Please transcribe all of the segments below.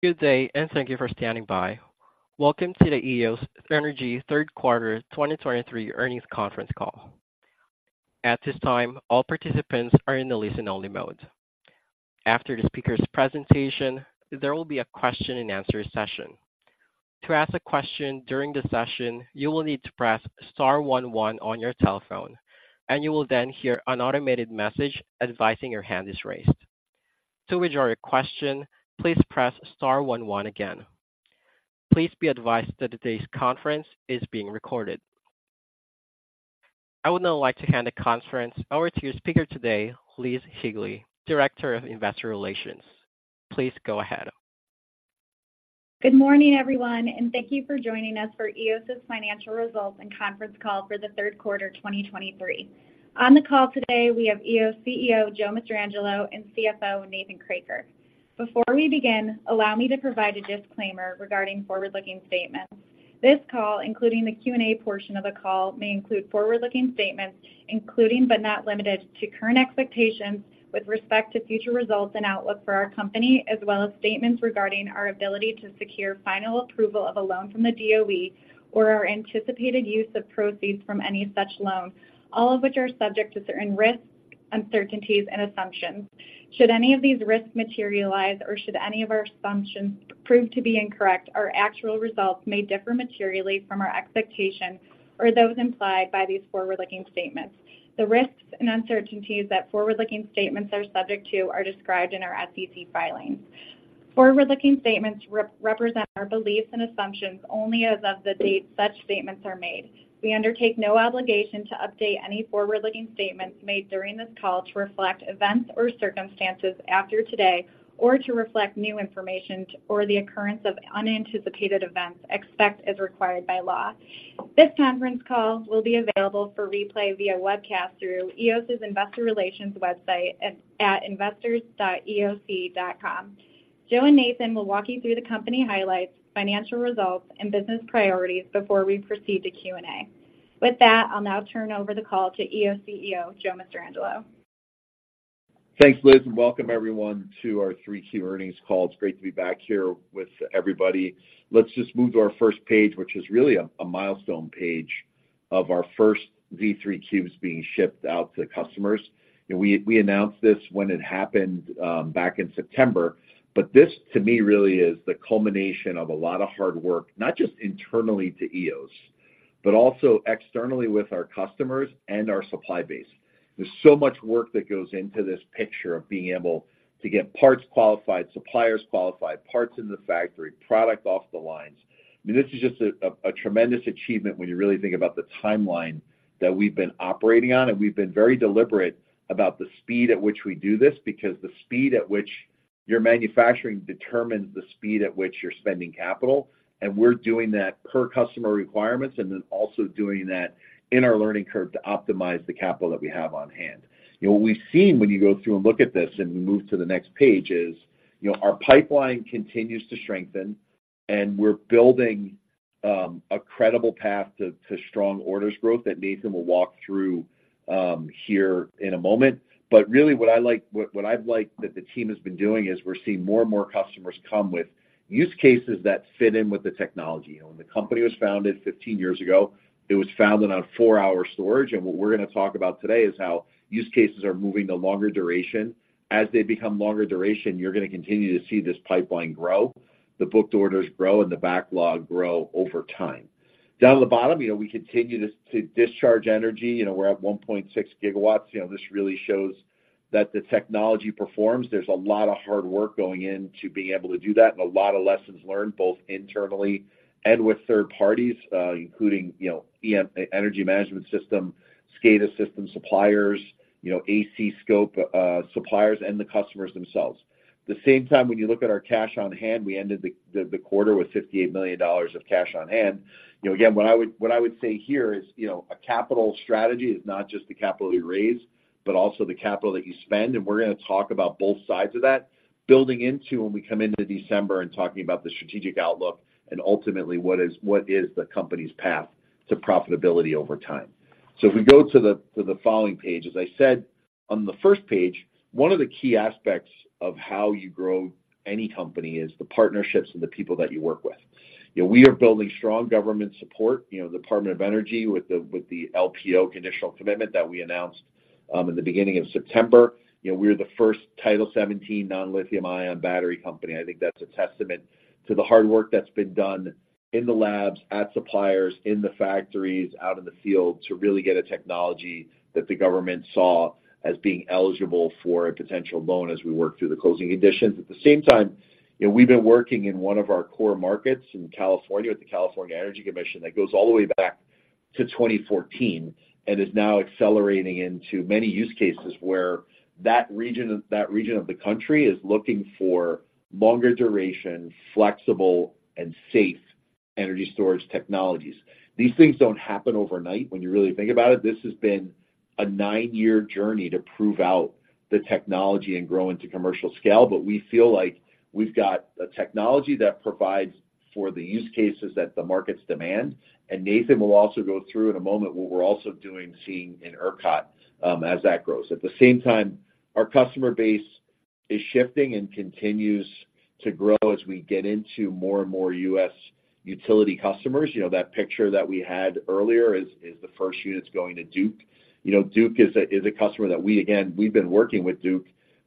Good day, and thank you for standing by. Welcome to the Eos Energy Third Quarter 2023 Earnings Conference Call. At this time, all participants are in a listen-only mode. After the speaker's presentation, there will be a question and answer session. To ask a question during the session, you will need to press star one one on your telephone, and you will then hear an automated message advising your hand is raised. To withdraw your question, please press star one one again. Please be advised that today's conference is being recorded. I would now like to hand the conference over to your speaker today, Liz Higley, Director of Investor Relations. Please go ahead. Good morning, everyone, and thank you for joining us for Eos's Financial Results and Conference Call for the Third Quarter, 2023. On the call today, we have Eos CEO, Joe Mastrangelo, and CFO, Nathan Kroeker. Before we begin, allow me to provide a disclaimer regarding forward-looking statements. This call, including the Q&A portion of the call, may include forward-looking statements, including but not limited to current expectations with respect to future results and outlook for our company, as well as statements regarding our ability to secure final approval of a loan from the DOE or our anticipated use of proceeds from any such loan, all of which are subject to certain risks, uncertainties and assumptions. Should any of these risks materialize or should any of our assumptions prove to be incorrect, our actual results may differ materially from our expectations or those implied by these forward-looking statements. The risks and uncertainties that forward-looking statements are subject to are described in our SEC filings. Forward-looking statements represent our beliefs and assumptions only as of the date such statements are made. We undertake no obligation to update any forward-looking statements made during this call to reflect events or circumstances after today or to reflect new information or the occurrence of unanticipated events, except as required by law. This conference call will be available for replay via webcast through Eos's investor relations website at investors.eose.com. Joe and Nathan will walk you through the company highlights, financial results, and business priorities before we proceed to Q&A. With that, I'll now turn over the call to Eos CEO, Joe Mastrangelo. Thanks, Liz, and welcome everyone to our Q3 earnings call. It's great to be back here with everybody. Let's just move to our first page, which is really a milestone page of our first Z3 Cubes being shipped out to customers. We announced this when it happened back in September, but this, to me, really is the culmination of a lot of hard work, not just internally to Eos, but also externally with our customers and our supply base. There's so much work that goes into this picture of being able to get parts qualified, suppliers qualified, parts in the factory, product off the lines. I mean, this is just a tremendous achievement when you really think about the timeline that we've been operating on, and we've been very deliberate about the speed at which we do this, because the speed at which you're manufacturing determines the speed at which you're spending capital, and we're doing that per customer requirements, and then also doing that in our learning curve to optimize the capital that we have on hand. You know, what we've seen when you go through and look at this, and we move to the next page, is, you know, our pipeline continues to strengthen, and we're building a credible path to strong orders growth that Nathan will walk through here in a moment. But really, what I've liked that the team has been doing is we're seeing more and more customers come with use cases that fit in with the technology. When the company was founded 15 years ago, it was founded on 4-hour storage, and what we're gonna talk about today is how use cases are moving to longer duration. As they become longer duration, you're gonna continue to see this pipeline grow, the booked orders grow, and the backlog grow over time. Down at the bottom, you know, we continue to discharge energy. You know, we're at 1.6 gigawatts. You know, this really shows that the technology performs. There's a lot of hard work going into being able to do that, and a lot of lessons learned, both internally and with third parties, including, you know, EMS, Energy Management System, SCADA system suppliers, you know, ACRO suppliers, and the customers themselves. At the same time, when you look at our cash on hand, we ended the quarter with $58 million of cash on hand. You know, again, what I would say here is, you know, a capital strategy is not just the capital you raise, but also the capital that you spend, and we're gonna talk about both sides of that, building into when we come into December and talking about the strategic outlook and ultimately, what is the company's path to profitability over time. So if we go to the following page, as I said on the first page, one of the key aspects of how you grow any company is the partnerships and the people that you work with. You know, we are building strong government support, you know, the Department of Energy, with the LPO conditional commitment that we announced in the beginning of September. You know, we're the first Title 17 non-lithium-ion battery company. I think that's a testament to the hard work that's been done in the labs, at suppliers, in the factories, out in the field, to really get a technology that the government saw as being eligible for a potential loan as we work through the closing conditions. At the same time, you know, we've been working in one of our core markets in California, with the California Energy Commission, that goes all the way back to 2014 and is now accelerating into many use cases where that region of, that region of the country is looking for longer duration, flexible, and safe energy storage technologies. These things don't happen overnight when you really think about it. This has been a 9-year journey to prove out the technology and grow into commercial scale, but we feel like we've got a technology that provides for the use cases that the markets demand. And Nathan will also go through in a moment what we're also doing, seeing in ERCOT, as that grows. At the same time, our customer base is shifting and continues to grow as we get into more and more U.S. utility customers. You know, that picture that we had earlier is the first units going to Duke. You know, Duke is a customer that we, again, we've been working with Duke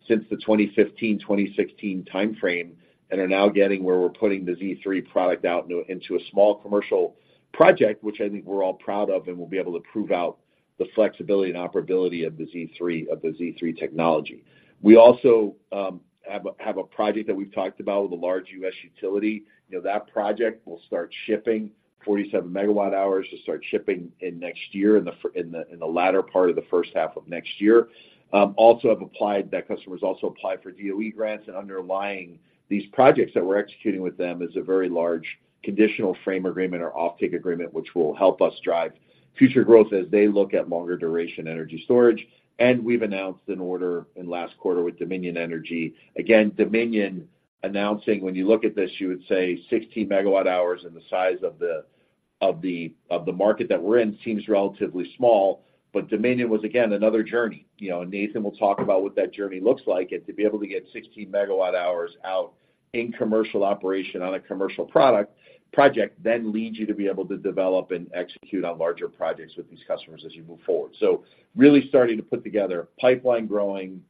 since the 2015, 2016 timeframe, and are now getting where we're putting the Z3 product out into a small commercial project, which I think we're all proud of, and we'll be able to prove out the flexibility and operability of the Z3 of the Z3 technology. We also have a project that we've talked about with a large U.S. utility. You know, that project will start shipping 47 MWh. It'll start shipping in next year, in the latter part of the first half of next year. That customer has also applied for DOE grants, and underlying these projects that we're executing with them is a very large conditional frame agreement or offtake agreement, which will help us drive future growth as they look at longer duration energy storage. And we've announced an order in last quarter with Dominion Energy. Again, Dominion announcing, when you look at this, you would say 60 MWh in the size of the market that we're in, seems relatively small, but Dominion was, again, another journey. You know, and Nathan will talk about what that journey looks like. And to be able to get 60 MWh out in commercial operation on a commercial product—project, then leads you to be able to develop and execute on larger projects with these customers as you move forward. So really starting to put together pipeline growing,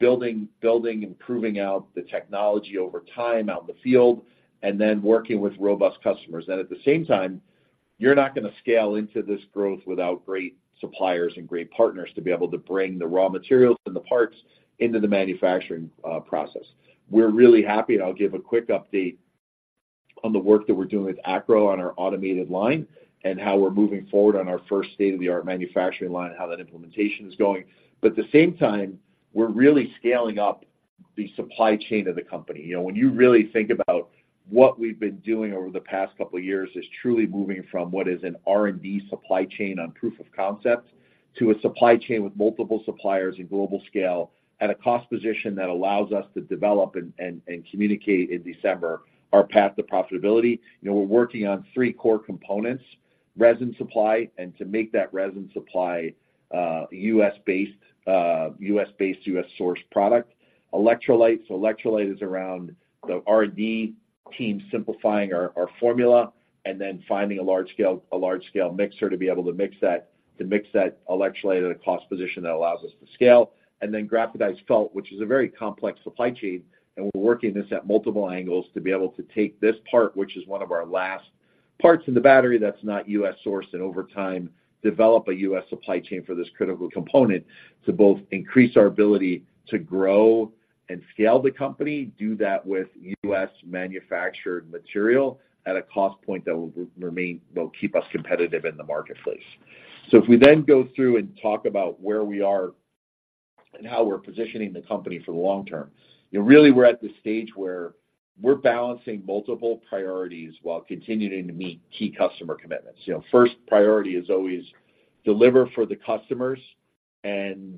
building, building, and proving out the technology over time out in the field, and then working with robust customers. And at the same time, you're not gonna scale into this growth without great suppliers and great partners to be able to bring the raw materials and the parts into the manufacturing process. We're really happy, and I'll give a quick update on the work that we're doing with ACRO on our automated line and how we're moving forward on our first state-of-the-art manufacturing line and how that implementation is going. But at the same time, we're really scaling up the supply chain of the company. You know, when you really think about what we've been doing over the past couple of years, is truly moving from what is an R&D supply chain on proof of concept, to a supply chain with multiple suppliers and global scale at a cost position that allows us to develop and communicate in December our path to profitability. You know, we're working on three core components: resin supply, and to make that resin supply, U.S.-based, U.S.-sourced product. Electrolyte, so electrolyte is around the R&D team simplifying our formula and then finding a large-scale mixer to be able to mix that electrolyte at a cost position that allows us to scale. And then Graphitized Felt, which is a very complex supply chain, and we're working this at multiple angles to be able to take this part, which is one of our last parts in the battery that's not U.S.-sourced, and over time, develop a U.S. supply chain for this critical component to both increase our ability to grow and scale the company, do that with U.S.-manufactured material at a cost point that will remain, will keep us competitive in the marketplace. So if we then go through and talk about where we are and how we're positioning the company for the long term, you know, really, we're at the stage where we're balancing multiple priorities while continuing to meet key customer commitments. You know, first priority is always deliver for the customers and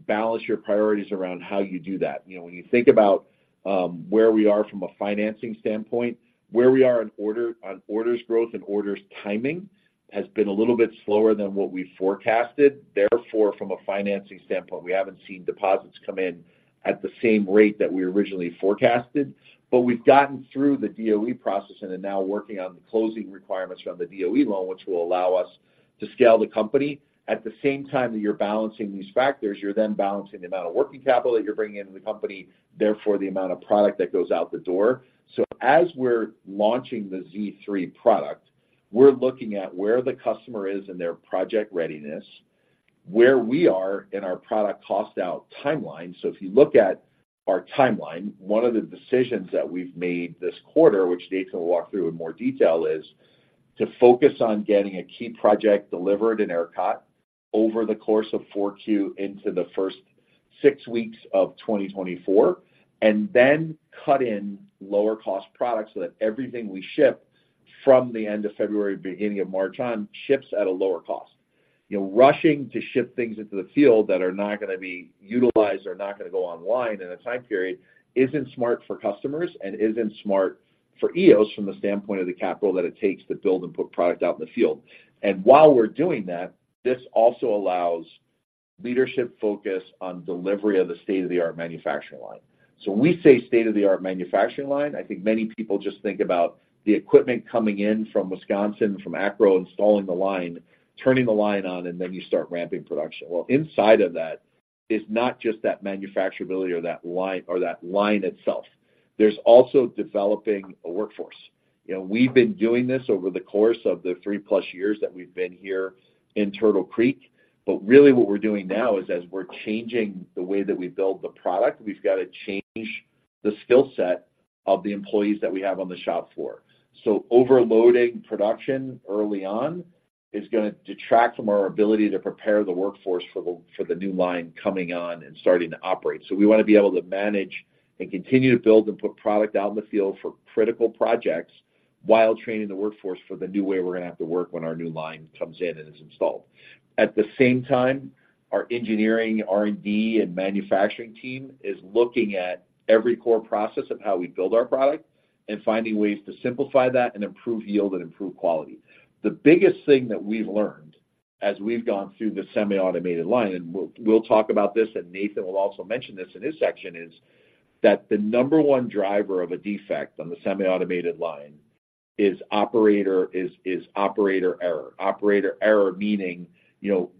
balance your priorities around how you do that. You know, when you think about where we are from a financing standpoint, where we are on order, on orders growth and orders timing, has been a little bit slower than what we forecasted. Therefore, from a financing standpoint, we haven't seen deposits come in at the same rate that we originally forecasted, but we've gotten through the DOE process and are now working on the closing requirements around the DOE loan, which will allow us to scale the company. At the same time that you're balancing these factors, you're then balancing the amount of working capital that you're bringing into the company, therefore, the amount of product that goes out the door. So as we're launching the Z3 product, we're looking at where the customer is in their project readiness, where we are in our product cost-out timeline. So if you look at our timeline, one of the decisions that we've made this quarter, which Nathan will walk through in more detail, is to focus on getting a key project delivered in ERCOT over the course of Q4 into the first 6 weeks of 2024, and then cut in lower-cost products so that everything we ship from the end of February, beginning of March on, ships at a lower cost. You know, rushing to ship things into the field that are not gonna be utilized or not gonna go online in a time period, isn't smart for customers and isn't smart for Eos from the standpoint of the capital that it takes to build and put product out in the field. And while we're doing that, this also allows leadership focus on delivery of the state-of-the-art manufacturing line. So when we say state-of-the-art manufacturing line, I think many people just think about the equipment coming in from Wisconsin, from ACRO, installing the line, turning the line on, and then you start ramping production. Well, inside of that is not just that manufacturability or that line, or that line itself; there's also developing a workforce. You know, we've been doing this over the course of the 3+ years that we've been here in Turtle Creek, but really what we're doing now is, as we're changing the way that we build the product, we've got to change the skill set of the employees that we have on the shop floor. So overloading production early on is gonna detract from our ability to prepare the workforce for the new line coming on and starting to operate. So we want to be able to manage and continue to build and put product out in the field for critical projects, while training the workforce for the new way we're gonna have to work when our new line comes in and is installed. At the same time, our engineering, R&D, and manufacturing team is looking at every core process of how we build our product and finding ways to simplify that and improve yield and improve quality. The biggest thing that we've learned as we've gone through the semi-automated line, and we'll talk about this, and Nathan will also mention this in his section, is that the number one driver of a defect on the semi-automated line is operator error. Operator error, meaning, you know,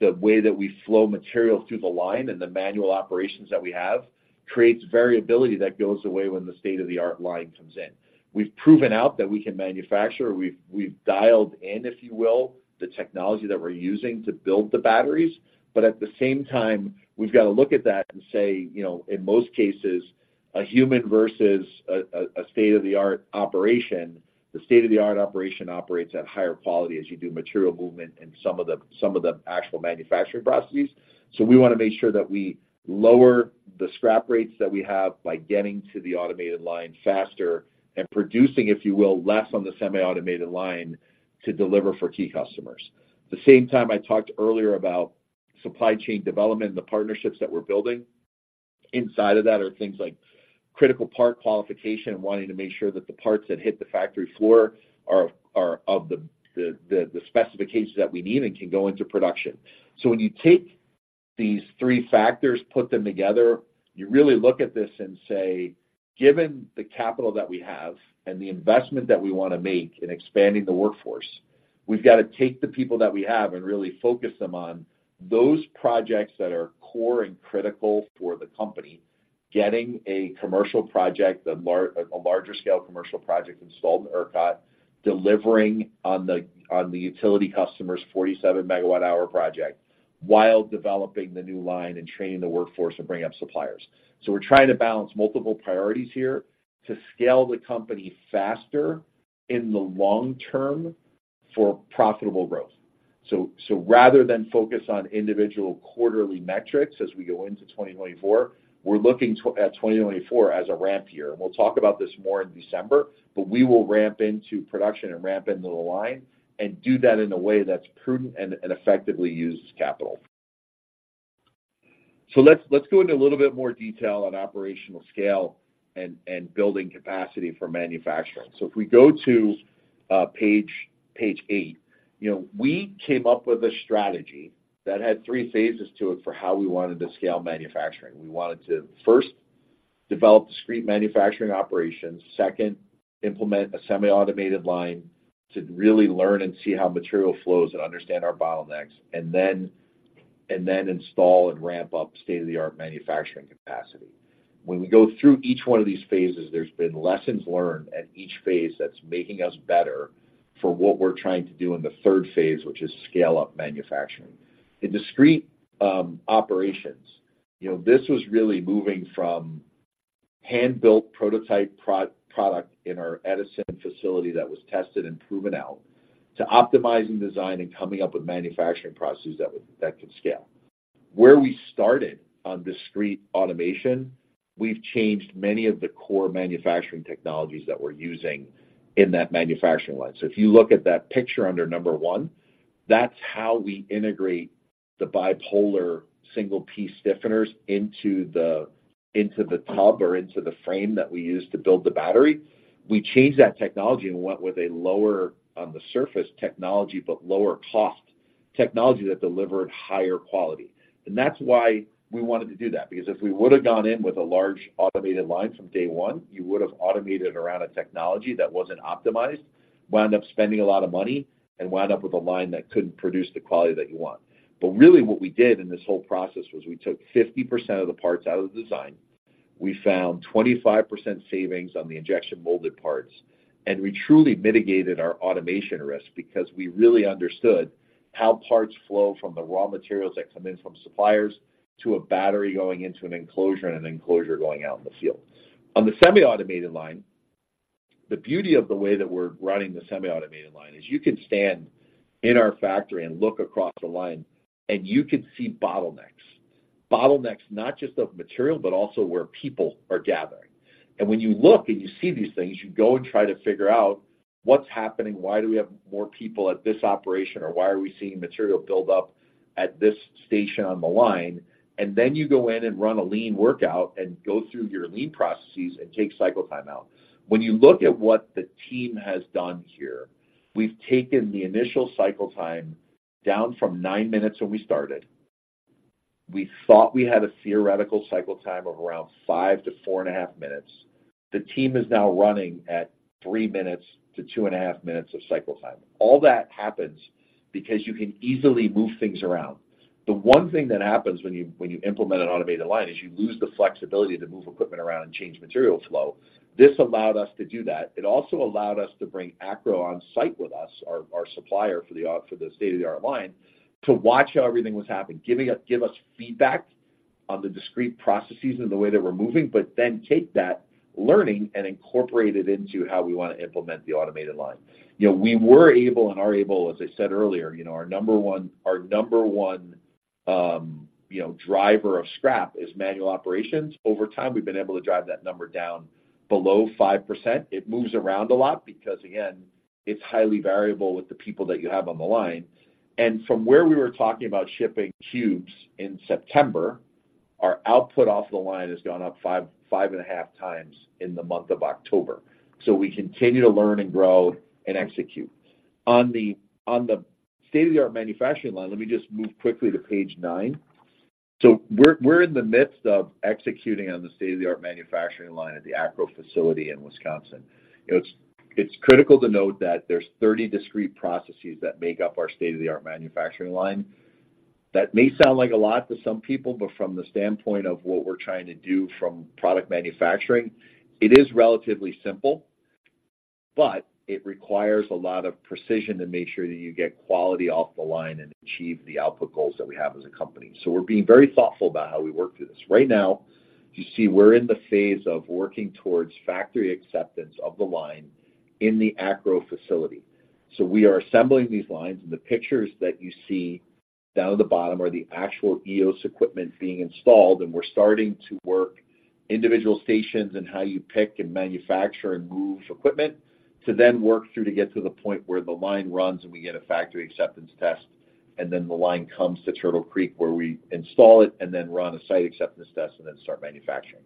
the way that we flow material through the line and the manual operations that we have, creates variability that goes away when the state-of-the-art line comes in. We've proven out that we can manufacture. We've dialed in, if you will, the technology that we're using to build the batteries, but at the same time, we've got to look at that and say, you know, in most cases, a human versus a state-of-the-art operation, the state-of-the-art operation operates at higher quality as you do material movement and some of the actual manufacturing processes. So we want to make sure that we lower the scrap rates that we have by getting to the automated line faster and producing, if you will, less on the semi-automated line to deliver for key customers. The same time I talked earlier about supply chain development and the partnerships that we're building, inside of that are things like critical part qualification and wanting to make sure that the parts that hit the factory floor are of the specifications that we need and can go into production. So when you take these three factors, put them together, you really look at this and say, "Given the capital that we have and the investment that we want to make in expanding the workforce, we've got to take the people that we have and really focus them on those projects that are core and critical for the company," getting a commercial project, a larger scale commercial project installed in ERCOT, delivering on the utility customers 47 megawatt-hour project, while developing the new line and training the workforce and bringing up suppliers. So we're trying to balance multiple priorities here to scale the company faster in the long term for profitable growth. So rather than focus on individual quarterly metrics as we go into 2024, we're looking at 2024 as a ramp year. And we'll talk about this more in December, but we will ramp into production and ramp into the line and do that in a way that's prudent and effectively uses capital. So let's go into a little bit more detail on operational scale and building capacity for manufacturing. So if we go to page eight, you know, we came up with a strategy that had three phases to it for how we wanted to scale manufacturing. We wanted to, first, develop discrete manufacturing operations. Second, implement a semi-automated line to really learn and see how material flows and understand our bottlenecks, and then install and ramp up state-of-the-art manufacturing capacity. When we go through each one of these phases, there's been lessons learned at each phase that's making us better for what we're trying to do in the third phase, which is scale-up manufacturing. In discrete operations, you know, this was really moving from hand-built prototype product in our Edison facility that was tested and proven out, to optimizing design and coming up with manufacturing processes that could scale. Where we started on discrete automation, we've changed many of the core manufacturing technologies that we're using in that manufacturing line. So if you look at that picture under number one, that's how we integrate the bipolar single P stiffeners into the tub or into the frame that we use to build the battery. We changed that technology and went with a lower, on the surface, technology, but lower cost technology that delivered higher quality. That's why we wanted to do that, because if we would've gone in with a large automated line from day one, you would have automated around a technology that wasn't optimized, wind up spending a lot of money, and wind up with a line that couldn't produce the quality that you want. But really, what we did in this whole process was we took 50% of the parts out of the design. We found 25% savings on the injection molded parts, and we truly mitigated our automation risk because we really understood how parts flow from the raw materials that come in from suppliers, to a battery going into an enclosure, and an enclosure going out in the field. On the semi-automated line, the beauty of the way that we're running the semi-automated line is you can stand in our factory and look across the line, and you can see bottlenecks. Bottlenecks, not just of material, but also where people are gathering. When you look and you see these things, you go and try to figure out what's happening, why do we have more people at this operation, or why are we seeing material build up at this station on the line? Then you go in and run a lean workout and go through your lean processes and take cycle time out. When you look at what the team has done here, we've taken the initial cycle time down from 9 minutes when we started. We thought we had a theoretical cycle time of around 5-4.5 minutes. The team is now running at 3 minutes to 2.5 minutes of cycle time. All that happens because you can easily move things around. The one thing that happens when you, when you implement an automated line, is you lose the flexibility to move equipment around and change material flow. This allowed us to do that. It also allowed us to bring ACRO on site with us, our, our supplier for the state-of-the-art line, to watch how everything was happening. Giving us feedback on the discrete processes and the way that we're moving, but then take that learning and incorporate it into how we want to implement the automated line. You know, we were able and are able, as I said earlier, you know, our number one, our number one, you know, driver of scrap is manual operations. Over time, we've been able to drive that number down below 5%. It moves around a lot because, again, it's highly variable with the people that you have on the line. And from where we were talking about shipping cubes in September. Our output off the line has gone up 5, 5.5x in the month of October. So we continue to learn and grow and execute. On the state-of-the-art manufacturing line, let me just move quickly to page 9. So we're in the midst of executing on the state-of-the-art manufacturing line at the ACRO facility in Wisconsin. It's critical to note that there's 30 discrete processes that make up our state-of-the-art manufacturing line. That may sound like a lot to some people, but from the standpoint of what we're trying to do from product manufacturing, it is relatively simple, but it requires a lot of precision to make sure that you get quality off the line and achieve the output goals that we have as a company. So we're being very thoughtful about how we work through this. Right now, you see we're in the phase of working towards factory acceptance of the line in the ACRO facility. So we are assembling these lines, and the pictures that you see down at the bottom are the actual Eos equipment being installed, and we're starting to work individual stations and how you pick and manufacture and move equipment, to then work through to get to the point where the line runs, and we get a Factory Acceptance Test, and then the line comes to Turtle Creek, where we install it and then run a Site Acceptance Test and then start manufacturing.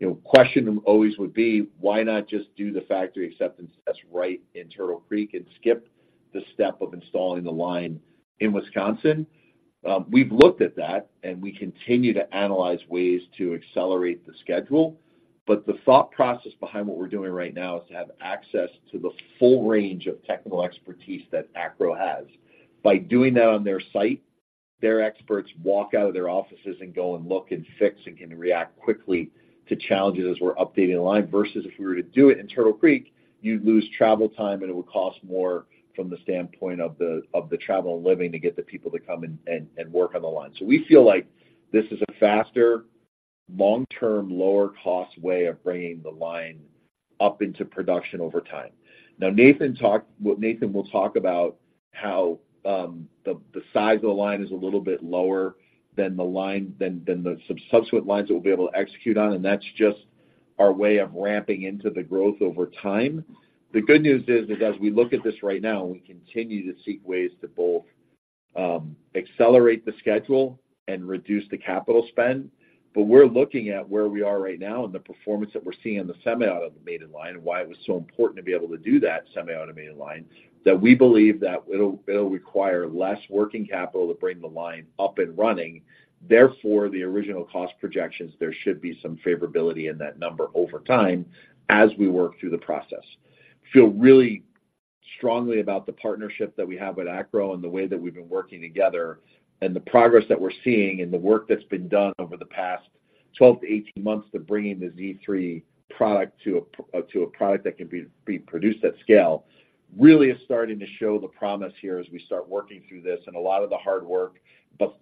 You know, question always would be, why not just do the Factory Acceptance Test right in Turtle Creek and skip the step of installing the line in Wisconsin? We've looked at that, and we continue to analyze ways to accelerate the schedule, but the thought process behind what we're doing right now is to have access to the full range of technical expertise that ACRO has. By doing that on their site, their experts walk out of their offices and go and look and fix and can react quickly to challenges as we're updating the line, versus if we were to do it in Turtle Creek, you'd lose travel time, and it would cost more from the standpoint of the travel and living to get the people to come and work on the line. So we feel like this is a faster, long-term, lower-cost way of bringing the line up into production over time. Now, Nathan talked—well, Nathan will talk about how the size of the line is a little bit lower than the subsequent lines that we'll be able to execute on, and that's just our way of ramping into the growth over time. The good news is that as we look at this right now, we continue to seek ways to both, accelerate the schedule and reduce the capital spend. But we're looking at where we are right now and the performance that we're seeing in the semi-automated line and why it was so important to be able to do that semi-automated line, that we believe that it'll require less working capital to bring the line up and running. Therefore, the original cost projections, there should be some favorability in that number over time as we work through the process. Feel really strongly about the partnership that we have with ACRO and the way that we've been working together, and the progress that we're seeing and the work that's been done over the past 12-18 months to bringing the Z3 product to a product that can be produced at scale, really is starting to show the promise here as we start working through this. And a lot of the hard work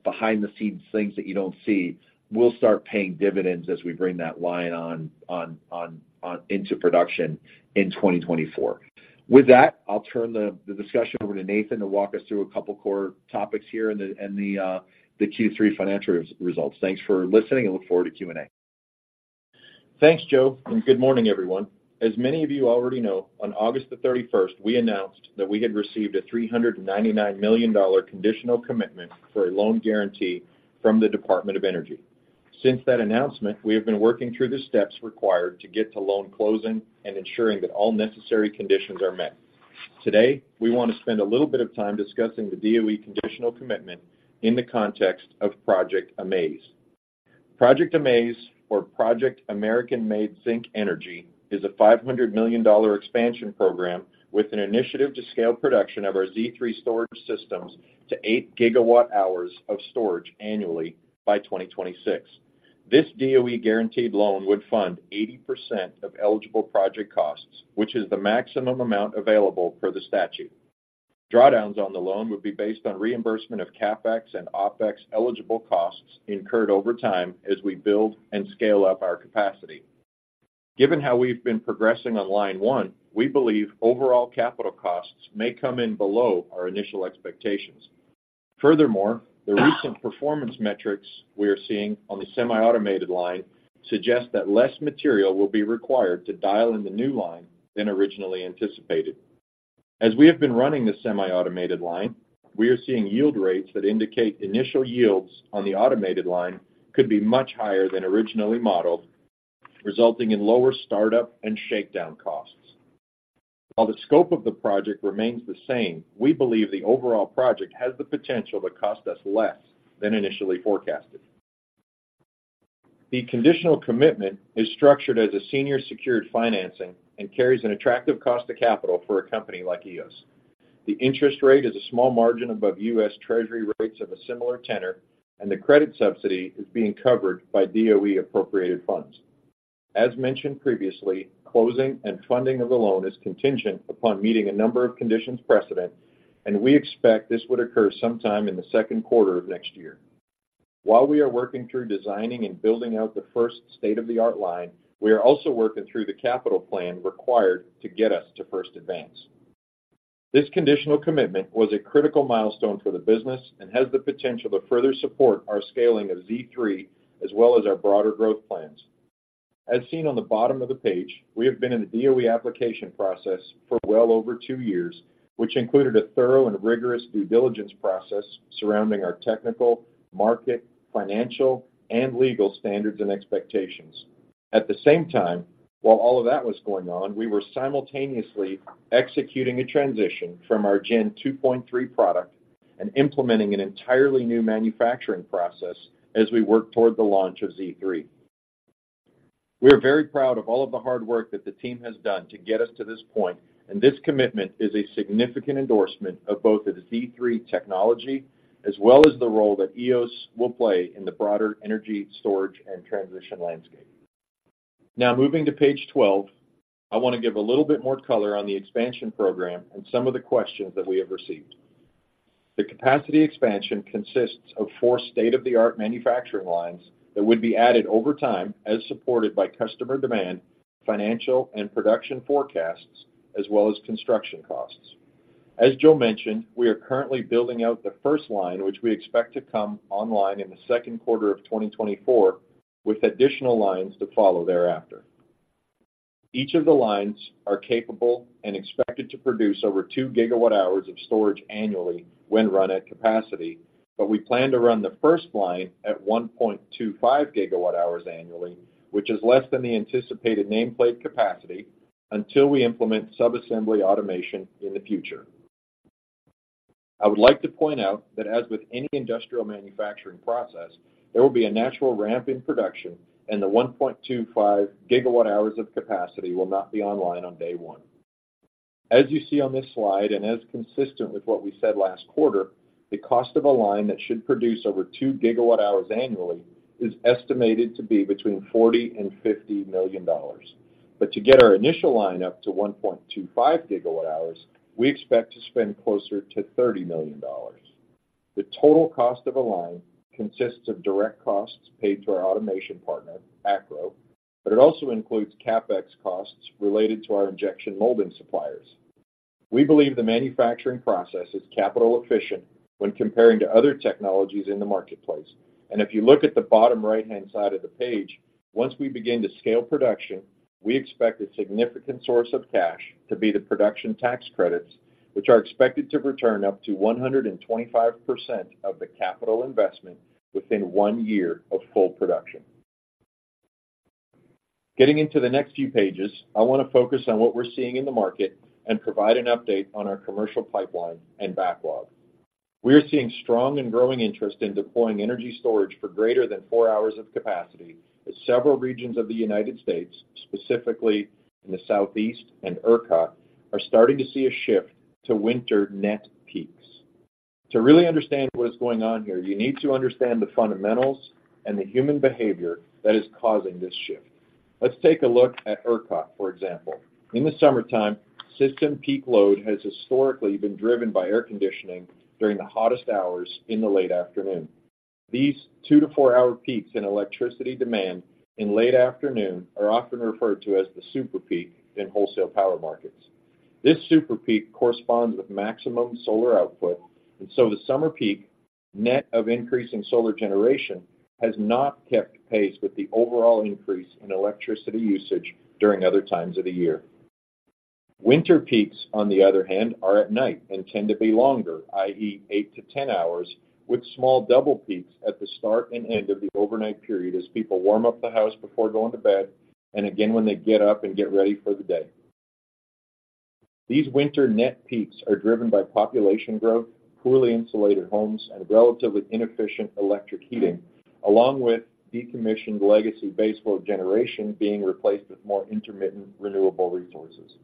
behind the scenes, things that you don't see, will start paying dividends as we bring that line on into production in 2024. With that, I'll turn the discussion over to Nathan to walk us through a couple core topics here and the Q3 financial results. Thanks for listening, and look forward to Q&A. Thanks, Joe, and good morning, everyone. As many of you already know, on August 31, we announced that we had received a $399 million conditional commitment for a loan guarantee from the Department of Energy. Since that announcement, we have been working through the steps required to get to loan closing and ensuring that all necessary conditions are met. Today, we want to spend a little bit of time discussing the DOE conditional commitment in the context of Project AMAZE. Project AMAZE, or Project American-Made Zinc Energy, is a $500 million expansion program with an initiative to scale production of our Z3 storage systems to 8 GWh of storage annually by 2026. This DOE guaranteed loan would fund 80% of eligible project costs, which is the maximum amount available per the statute. Drawdowns on the loan would be based on reimbursement of CapEx and OpEx eligible costs incurred over time as we build and scale up our capacity. Given how we've been progressing on line one, we believe overall capital costs may come in below our initial expectations. Furthermore, the recent performance metrics we are seeing on the semi-automated line suggest that less material will be required to dial in the new line than originally anticipated. As we have been running the semi-automated line, we are seeing yield rates that indicate initial yields on the automated line could be much higher than originally modeled, resulting in lower startup and shakedown costs. While the scope of the project remains the same, we believe the overall project has the potential to cost us less than initially forecasted. The conditional commitment is structured as a senior secured financing and carries an attractive cost to capital for a company like Eos. The interest rate is a small margin above U.S. Treasury rates of a similar tenor, and the credit subsidy is being covered by DOE appropriated funds. As mentioned previously, closing and funding of the loan is contingent upon meeting a number of conditions precedent, and we expect this would occur sometime in the second quarter of next year. While we are working through designing and building out the first state-of-the-art line, we are also working through the capital plan required to get us to first advance. This conditional commitment was a critical milestone for the business and has the potential to further support our scaling of Z3, as well as our broader growth plans.... As seen on the bottom of the page, we have been in the DOE application process for well over two years, which included a thorough and rigorous due diligence process surrounding our technical, market, financial, and legal standards and expectations. At the same time, while all of that was going on, we were simultaneously executing a transition from our Gen 2.3 product and implementing an entirely new manufacturing process as we worked toward the launch of Z3. We are very proud of all of the hard work that the team has done to get us to this point, and this commitment is a significant endorsement of both the Z3 technology as well as the role that Eos will play in the broader energy storage and transition landscape. Now, moving to page 12, I want to give a little bit more color on the expansion program and some of the questions that we have received. The capacity expansion consists of 4 state-of-the-art manufacturing lines that would be added over time as supported by customer demand, financial and production forecasts, as well as construction costs. As Joe mentioned, we are currently building out the first line, which we expect to come online in the second quarter of 2024, with additional lines to follow thereafter. Each of the lines are capable and expected to produce over 2 GWh of storage annually when run at capacity, but we plan to run the first line at 1.25 GWh annually, which is less than the anticipated nameplate capacity, until we implement subassembly automation in the future. I would like to point out that as with any industrial manufacturing process, there will be a natural ramp in production and the 1.25 GWh of capacity will not be online on day one. As you see on this slide, and as consistent with what we said last quarter, the cost of a line that should produce over 2 GWh annually is estimated to be between $40 million and $50 million. But to get our initial line up to 1.25 GWh, we expect to spend closer to $30 million. The total cost of a line consists of direct costs paid to our automation partner, ACRO, but it also includes CapEx costs related to our injection molding suppliers. We believe the manufacturing process is capital efficient when comparing to other technologies in the marketplace. If you look at the bottom right-hand side of the page, once we begin to scale production, we expect a significant source of cash to be the production tax credits, which are expected to return up to 125% of the capital investment within one year of full production. Getting into the next few pages, I want to focus on what we're seeing in the market and provide an update on our commercial pipeline and backlog. We are seeing strong and growing interest in deploying energy storage for greater than four hours of capacity, as several regions of the United States, specifically in the Southeast and ERCOT, are starting to see a shift to winter net peaks. To really understand what is going on here, you need to understand the fundamentals and the human behavior that is causing this shift. Let's take a look at ERCOT, for example. In the summertime, system peak load has historically been driven by air conditioning during the hottest hours in the late afternoon. These 2-4-hour peaks in electricity demand in late afternoon are often referred to as the super peak in wholesale power markets. This super peak corresponds with maximum solar output, and so the summer peak, net of increase in solar generation, has not kept pace with the overall increase in electricity usage during other times of the year. Winter peaks, on the other hand, are at night and tend to be longer, i.e., 8-10 hours, with small double peaks at the start and end of the overnight period as people warm up the house before going to bed and again when they get up and get ready for the day. These winter net peaks are driven by population growth, poorly insulated homes, and relatively inefficient electric heating, along with decommissioned legacy base load generation being replaced with more intermittent, renewable resources.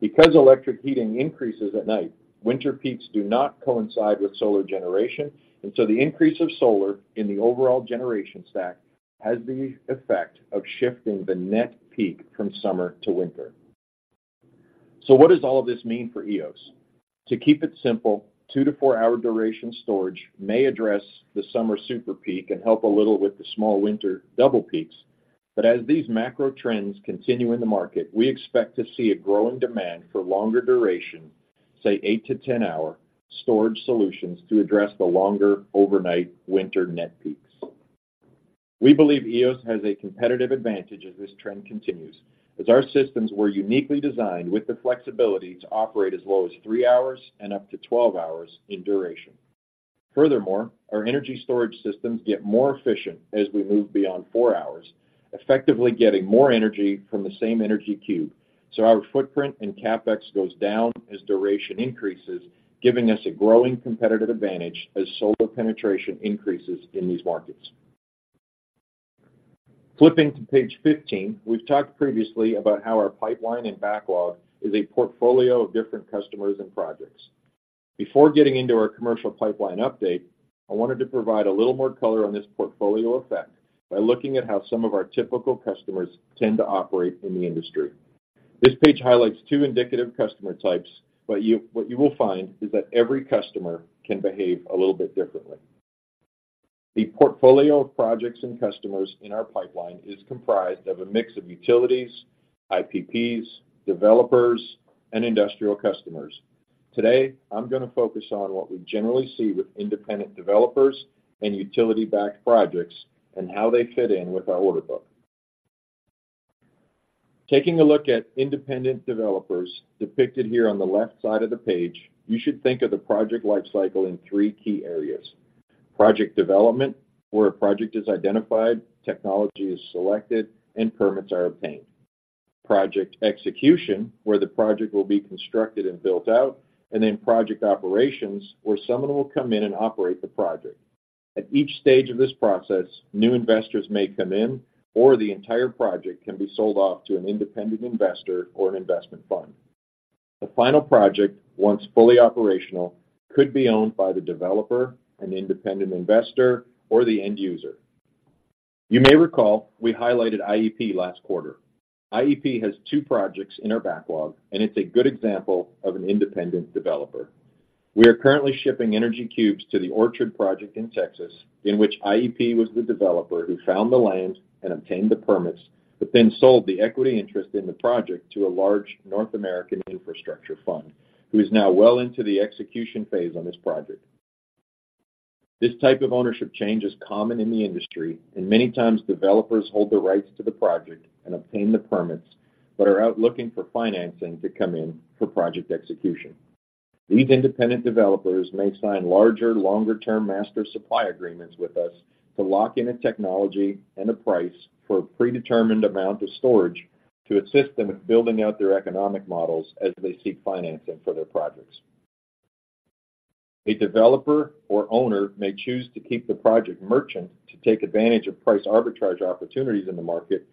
Because electric heating increases at night, winter peaks do not coincide with solar generation, and so the increase of solar in the overall generation stack has the effect of shifting the net peak from summer to winter. So what does all of this mean for Eos? To keep it simple, 2-4-hour duration storage may address the summer super peak and help a little with the small winter double peaks. But as these macro trends continue in the market, we expect to see a growing demand for longer duration, say, 8-10-hour storage solutions, to address the longer overnight winter net peaks. We believe Eos has a competitive advantage as this trend continues, as our systems were uniquely designed with the flexibility to operate as low as three hours and up to 12 hours in duration. Furthermore, our energy storage systems get more efficient as we move beyond four hours, effectively getting more energy from the same energy cube. So our footprint and CapEx goes down as duration increases, giving us a growing competitive advantage as solar penetration increases in these markets. Flipping to page 15, we've talked previously about how our pipeline and backlog is a portfolio of different customers and projects. Before getting into our commercial pipeline update, I wanted to provide a little more color on this portfolio effect by looking at how some of our typical customers tend to operate in the industry. This page highlights two indicative customer types, but what you will find is that every customer can behave a little bit differently. The portfolio of projects and customers in our pipeline is comprised of a mix of utilities, IPPs, developers, and industrial customers. Today, I'm going to focus on what we generally see with independent developers and utility-backed projects, and how they fit in with our order book. Taking a look at independent developers, depicted here on the left side of the page, you should think of the project lifecycle in three key areas: project development, where a project is identified, technology is selected, and permits are obtained. Project execution, where the project will be constructed and built out, and then project operations, where someone will come in and operate the project. At each stage of this process, new investors may come in, or the entire project can be sold off to an independent investor or an investment fund. The final project, once fully operational, could be owned by the developer, an independent investor, or the end user. You may recall we highlighted IEP last quarter. IEP has two projects in our backlog, and it's a good example of an independent developer. We are currently shipping energy cubes to the Orchard project in Texas, in which IEP was the developer who found the land and obtained the permits, but then sold the equity interest in the project to a large North American infrastructure fund, who is now well into the execution phase on this project. This type of ownership change is common in the industry, and many times developers hold the rights to the project and obtain the permits, but are out looking for financing to come in for project execution. These independent developers may sign larger, longer-term master supply agreements with us to lock in a technology and a price for a predetermined amount of storage to assist them in building out their economic models as they seek financing for their projects. A developer or owner may choose to keep the project merchant to take advantage of price arbitrage opportunities in the market,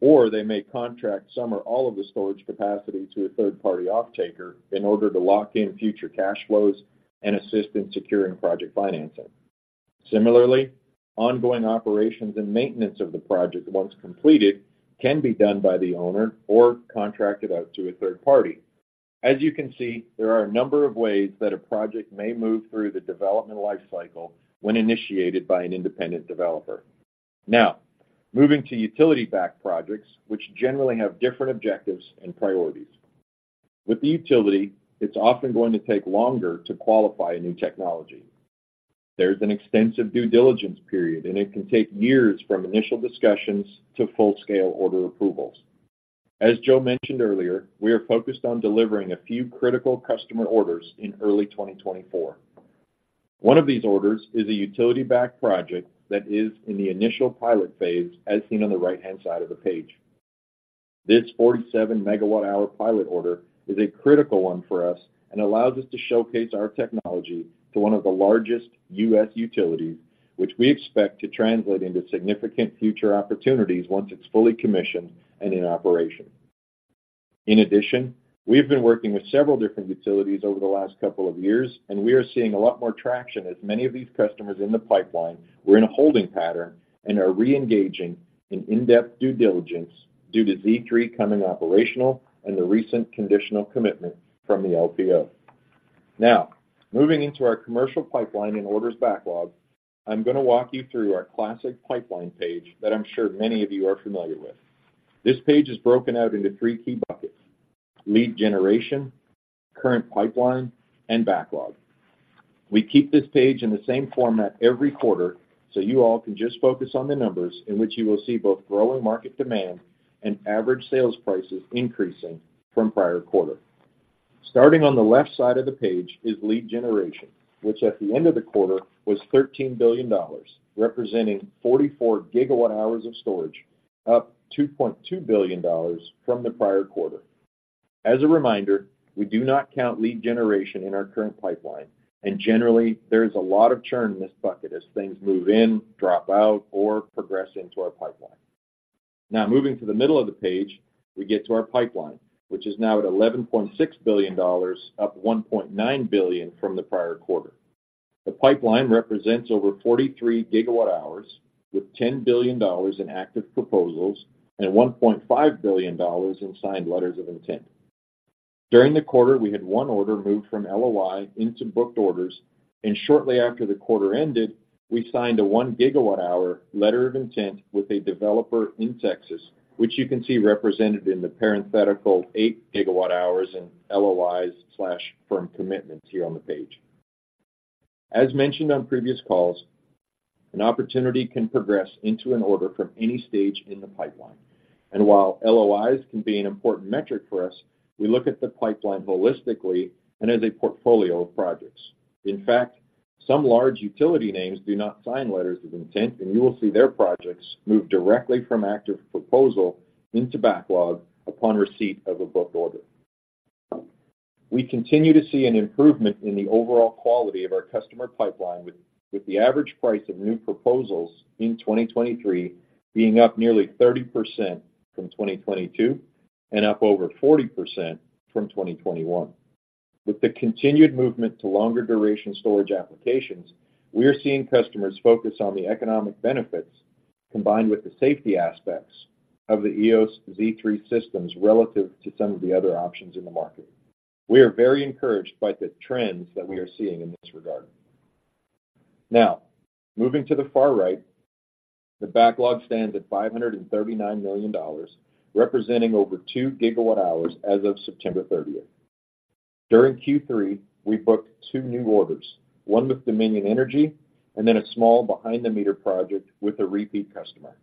or they may contract some or all of the storage capacity to a third-party off-taker in order to lock in future cash flows and assist in securing project financing. Similarly, ongoing operations and maintenance of the project, once completed, can be done by the owner or contracted out to a third party. As you can see, there are a number of ways that a project may move through the development life cycle when initiated by an independent developer. Now, moving to utility-backed projects, which generally have different objectives and priorities. With the utility, it's often going to take longer to qualify a new technology. There's an extensive due diligence period, and it can take years from initial discussions to full-scale order approvals. As Joe mentioned earlier, we are focused on delivering a few critical customer orders in early 2024. One of these orders is a utility-backed project that is in the initial pilot phase, as seen on the right-hand side of the page. This 47 MWh pilot order is a critical one for us, and allows us to showcase our technology to one of the largest U.S. utilities, which we expect to translate into significant future opportunities once it's fully commissioned and in operation. In addition, we've been working with several different utilities over the last couple of years, and we are seeing a lot more traction as many of these customers in the pipeline were in a holding pattern and are reengaging in-depth due diligence due to Z3 coming operational and the recent conditional commitment from the LPO. Now, moving into our commercial pipeline and orders backlog, I'm going to walk you through our classic pipeline page that I'm sure many of you are familiar with. This page is broken out into three key buckets: lead generation, current pipeline, and backlog. We keep this page in the same format every quarter, so you all can just focus on the numbers in which you will see both growing market demand and average sales prices increasing from prior quarter. Starting on the left side of the page is lead generation, which at the end of the quarter was $13 billion, representing 44 gigawatt-hours of storage, up $2.2 billion from the prior quarter. As a reminder, we do not count lead generation in our current pipeline, and generally, there is a lot of churn in this bucket as things move in, drop out, or progress into our pipeline. Now, moving to the middle of the page, we get to our pipeline, which is now at $11.6 billion, up $1.9 billion from the prior quarter. The pipeline represents over 43 gigawatt-hours, with $10 billion in active proposals and $1.5 billion in signed letters of intent. During the quarter, we had one order moved from LOI into booked orders, and shortly after the quarter ended, we signed a 1 gigawatt-hour letter of intent with a developer in Texas, which you can see represented in the parenthetical 8 gigawatt-hours in LOIs / firm commitments here on the page. As mentioned on previous calls, an opportunity can progress into an order from any stage in the pipeline, and while LOIs can be an important metric for us, we look at the pipeline holistically and as a portfolio of projects. In fact, some large utility names do not sign letters of intent, and you will see their projects move directly from active proposal into backlog upon receipt of a booked order. We continue to see an improvement in the overall quality of our customer pipeline, with the average price of new proposals in 2023 being up nearly 30% from 2022 and up over 40% from 2021. With the continued movement to longer duration storage applications, we are seeing customers focus on the economic benefits combined with the safety aspects of the Eos Z3 systems relative to some of the other options in the market. We are very encouraged by the trends that we are seeing in this regard.... Now, moving to the far right, the backlog stands at $539 million, representing over 2 gigawatt hours as of September 30. During Q3, we booked two new orders, one with Dominion Energy, and then a small behind-the-meter project with a repeat customer.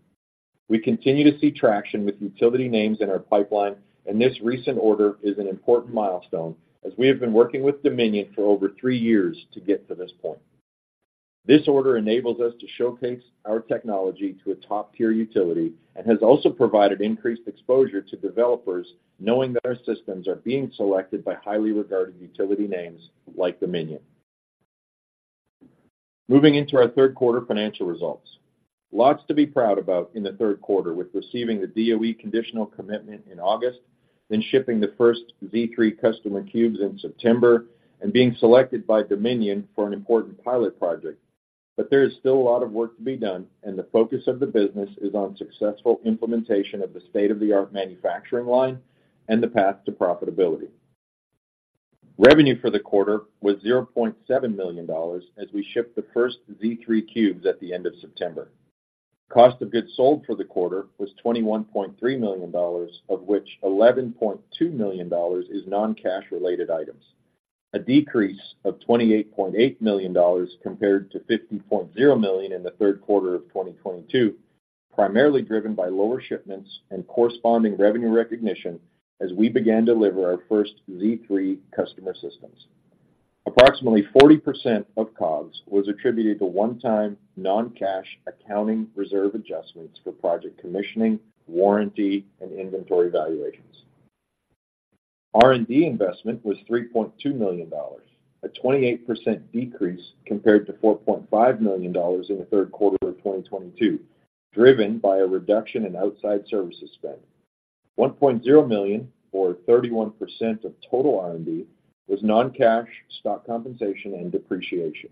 We continue to see traction with utility names in our pipeline, and this recent order is an important milestone as we have been working with Dominion for over 3 years to get to this point. This order enables us to showcase our technology to a top-tier utility and has also provided increased exposure to developers, knowing that our systems are being selected by highly regarded utility names like Dominion. Moving into our third quarter financial results. Lots to be proud about in the third quarter, with receiving the DOE conditional commitment in August, then shipping the first Z3 customer cubes in September, and being selected by Dominion for an important pilot project. But there is still a lot of work to be done, and the focus of the business is on successful implementation of the state-of-the-art manufacturing line and the path to profitability. Revenue for the quarter was $0.7 million, as we shipped the first Z3 Cubes at the end of September. Cost of goods sold for the quarter was $21.3 million, of which $11.2 million is non-cash related items, a decrease of $28.8 million compared to $50.0 million in the third quarter of 2022, primarily driven by lower shipments and corresponding revenue recognition as we began to deliver our first Z3 customer systems. Approximately 40% of COGS was attributed to one-time, non-cash, accounting reserve adjustments for project commissioning, warranty, and inventory valuations. R&D investment was $3.2 million, a 28% decrease compared to $4.5 million in the third quarter of 2022, driven by a reduction in outside services spend. $1.0 million, or 31% of total R&D, was non-cash, stock compensation, and depreciation.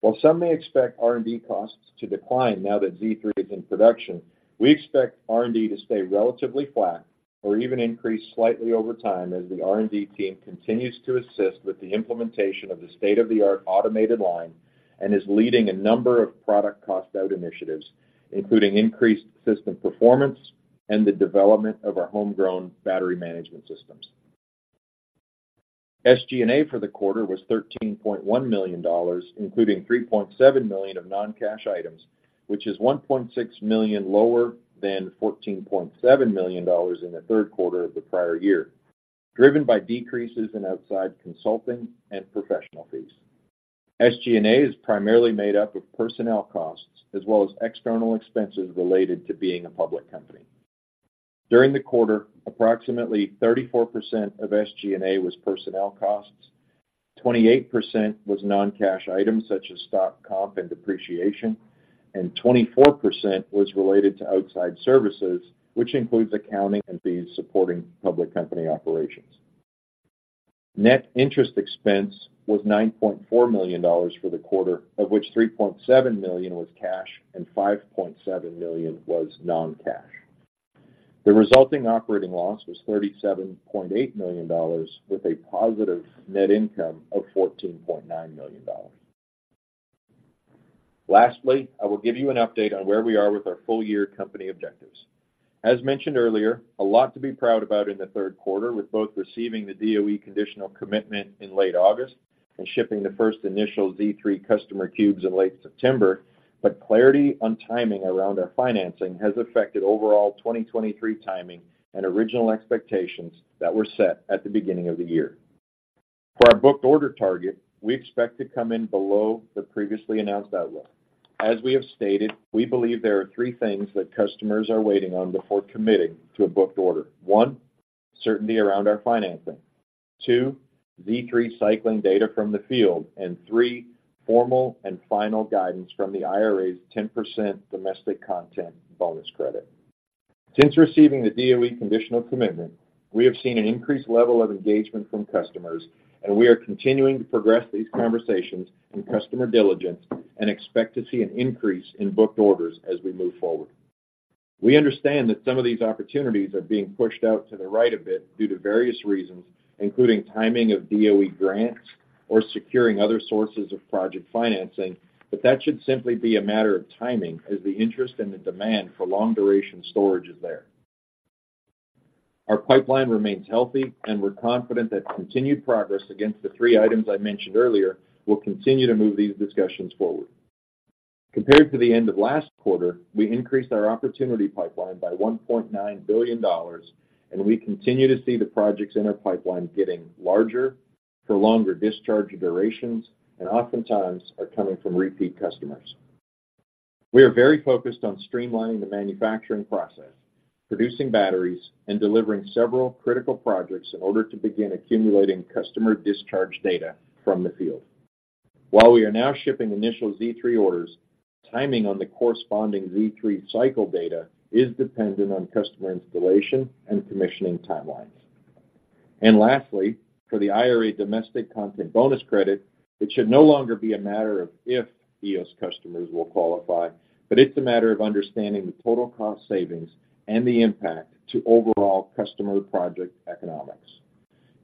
While some may expect R&D costs to decline now that Z3 is in production, we expect R&D to stay relatively flat or even increase slightly over time as the R&D team continues to assist with the implementation of the state-of-the-art automated line and is leading a number of product cost-out initiatives, including increased system performance and the development of our homegrown battery management systems. SG&A for the quarter was $13.1 million, including $3.7 million of non-cash items, which is $1.6 million lower than $14.7 million in the third quarter of the prior year, driven by decreases in outside consulting and professional fees. SG&A is primarily made up of personnel costs as well as external expenses related to being a public company. During the quarter, approximately 34% of SG&A was personnel costs, 28% was non-cash items such as stock comp and depreciation, and 24% was related to outside services, which includes accounting and fees supporting public company operations. Net interest expense was $9.4 million for the quarter, of which $3.7 million was cash and $5.7 million was non-cash. The resulting operating loss was $37.8 million, with a positive net income of $14.9 million. Lastly, I will give you an update on where we are with our full year company objectives. As mentioned earlier, a lot to be proud about in the third quarter, with both receiving the DOE conditional commitment in late August and shipping the first initial Z3 customer cubes in late September, but clarity on timing around our financing has affected overall 2023 timing and original expectations that were set at the beginning of the year. For our booked order target, we expect to come in below the previously announced outlook. As we have stated, we believe there are three things that customers are waiting on before committing to a booked order. One, certainty around our financing. Two, Z3 cycling data from the field, and three, formal and final guidance from the IRA's 10% domestic content bonus credit. Since receiving the DOE conditional commitment, we have seen an increased level of engagement from customers, and we are continuing to progress these conversations and customer diligence and expect to see an increase in booked orders as we move forward. We understand that some of these opportunities are being pushed out to the right a bit due to various reasons, including timing of DOE grants or securing other sources of project financing, but that should simply be a matter of timing, as the interest and the demand for long-duration storage is there. Our pipeline remains healthy, and we're confident that continued progress against the three items I mentioned earlier will continue to move these discussions forward. Compared to the end of last quarter, we increased our opportunity pipeline by $1.9 billion, and we continue to see the projects in our pipeline getting larger, for longer discharge durations, and oftentimes are coming from repeat customers. We are very focused on streamlining the manufacturing process, producing batteries, and delivering several critical projects in order to begin accumulating customer discharge data from the field. While we are now shipping initial Z3 orders, timing on the corresponding Z3 cycle data is dependent on customer installation and commissioning timelines. Lastly, for the IRA Domestic Content Bonus Credit, it should no longer be a matter of if Eos customers will qualify, but it's a matter of understanding the total cost savings and the impact to overall customer project economics.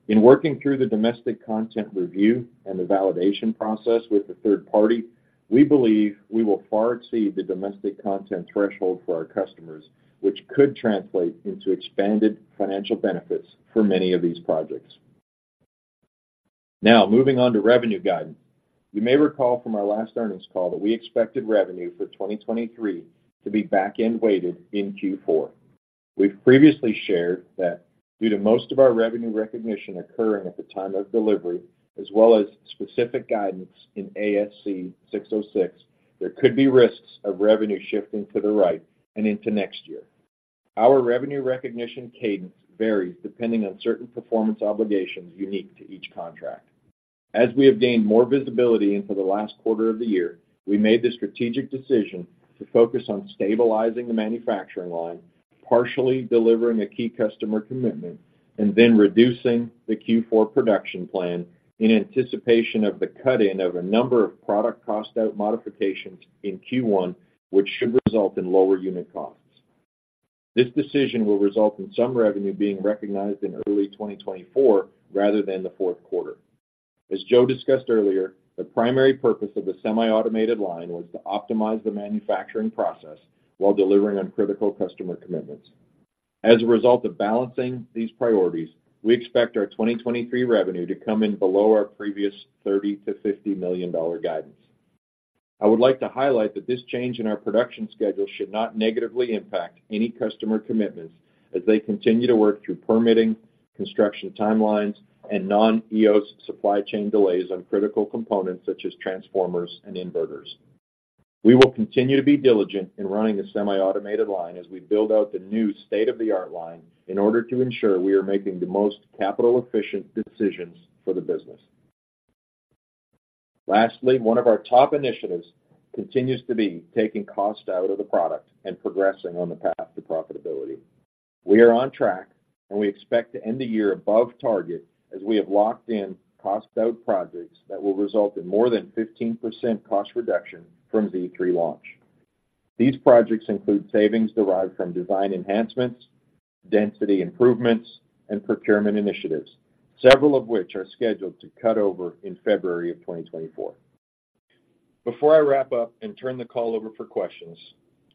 In working through the domestic content review and the validation process with the third party, we believe we will far exceed the domestic content threshold for our customers, which could translate into expanded financial benefits for many of these projects. Now, moving on to revenue guidance. You may recall from our last earnings call that we expected revenue for 2023 to be back-end weighted in Q4. We've previously shared that due to most of our revenue recognition occurring at the time of delivery, as well as specific guidance in ASC 606, there could be risks of revenue shifting to the right and into next year. Our revenue recognition cadence varies depending on certain performance obligations unique to each contract. As we have gained more visibility into the last quarter of the year, we made the strategic decision to focus on stabilizing the manufacturing line, partially delivering a key customer commitment, and then reducing the Q4 production plan in anticipation of the cut-in of a number of product cost out modifications in Q1, which should result in lower unit costs. This decision will result in some revenue being recognized in early 2024, rather than the fourth quarter. As Joe discussed earlier, the primary purpose of the semi-automated line was to optimize the manufacturing process while delivering on critical customer commitments. As a result of balancing these priorities, we expect our 2023 revenue to come in below our previous $30 million-$50 million guidance. I would like to highlight that this change in our production schedule should not negatively impact any customer commitments as they continue to work through permitting, construction timelines, and non-Eos supply chain delays on critical components such as transformers and inverters. We will continue to be diligent in running the semi-automated line as we build out the new state-of-the-art line in order to ensure we are making the most capital-efficient decisions for the business. Lastly, one of our top initiatives continues to be taking cost out of the product and progressing on the path to profitability. We are on track, and we expect to end the year above target as we have locked in cost-out projects that will result in more than 15% cost reduction from Z3 launch. These projects include savings derived from design enhancements, density improvements, and procurement initiatives, several of which are scheduled to cut over in February of 2024. Before I wrap up and turn the call over for questions,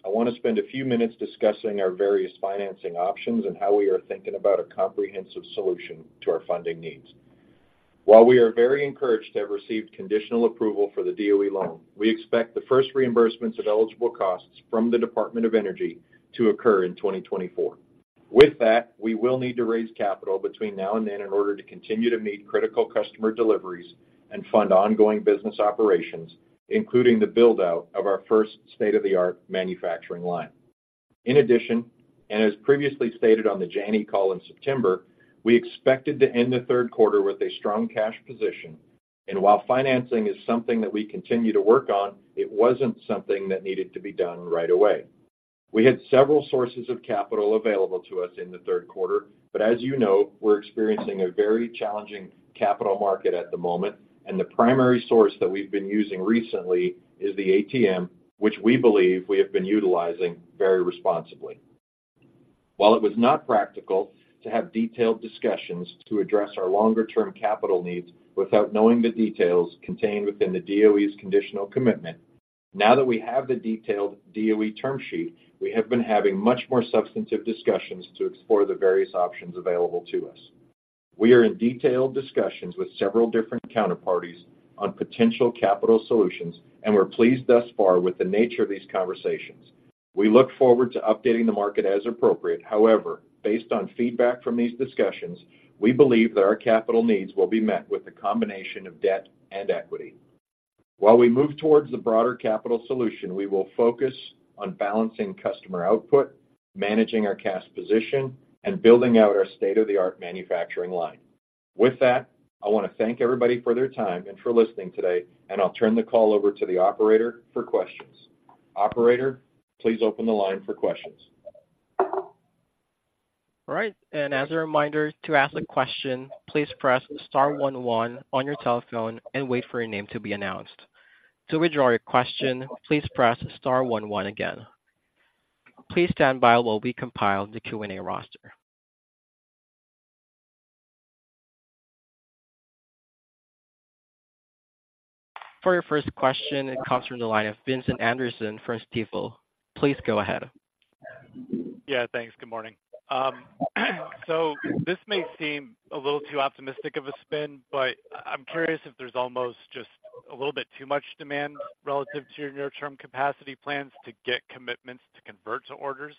I want to spend a few minutes discussing our various financing options and how we are thinking about a comprehensive solution to our funding needs. While we are very encouraged to have received conditional approval for the DOE loan, we expect the first reimbursements of eligible costs from the Department of Energy to occur in 2024. With that, we will need to raise capital between now and then in order to continue to meet critical customer deliveries and fund ongoing business operations, including the build-out of our first state-of-the-art manufacturing line. In addition, and as previously stated on the Janney call in September, we expected to end the third quarter with a strong cash position, and while financing is something that we continue to work on, it wasn't something that needed to be done right away. We had several sources of capital available to us in the third quarter, but as you know, we're experiencing a very challenging capital market at the moment, and the primary source that we've been using recently is the ATM, which we believe we have been utilizing very responsibly. While it was not practical to have detailed discussions to address our longer-term capital needs without knowing the details contained within the DOE's conditional commitment, now that we have the detailed DOE term sheet, we have been having much more substantive discussions to explore the various options available to us. We are in detailed discussions with several different counterparties on potential capital solutions, and we're pleased thus far with the nature of these conversations. We look forward to updating the market as appropriate. However, based on feedback from these discussions, we believe that our capital needs will be met with a combination of debt and equity. While we move towards the broader capital solution, we will focus on balancing customer output, managing our cash position, and building out our state-of-the-art manufacturing line. With that, I want to thank everybody for their time and for listening today, and I'll turn the call over to the operator for questions. Operator, please open the line for questions. All right. As a reminder, to ask a question, please press star one one on your telephone and wait for your name to be announced. To withdraw your question, please press star one one again. Please stand by while we compile the Q&A roster. For your first question, it comes from the line of Vincent Anderson from Stifel. Please go ahead. Yeah, thanks. Good morning. So this may seem a little too optimistic of a spin, but I'm curious if there's almost just a little bit too much demand relative to your near-term capacity plans to get commitments to convert to orders.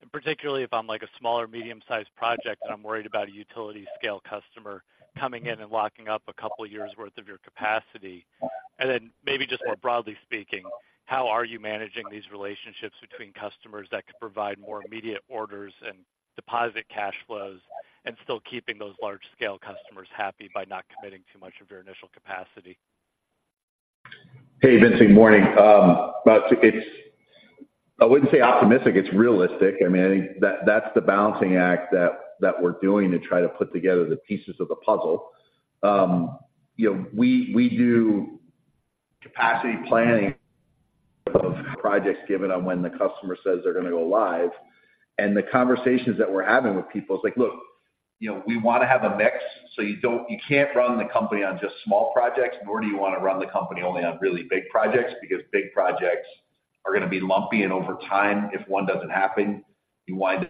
And particularly, if I'm like a small or medium-sized project, and I'm worried about a utility scale customer coming in and locking up a couple of years' worth of your capacity. And then maybe just more broadly speaking, how are you managing these relationships between customers that could provide more immediate orders and deposit cash flows and still keeping those large-scale customers happy by not committing too much of your initial capacity? Hey, Vincent. Good morning. But it's. I wouldn't say optimistic, it's realistic. I mean, that's the balancing act that we're doing to try to put together the pieces of the puzzle. You know, we do... capacity planning of projects given on when the customer says they're gonna go live. And the conversations that we're having with people is like: Look, you know, we wanna have a mix, so you don't—you can't run the company on just small projects, nor do you wanna run the company only on really big projects, because big projects are gonna be lumpy, and over time, if one doesn't happen, you wind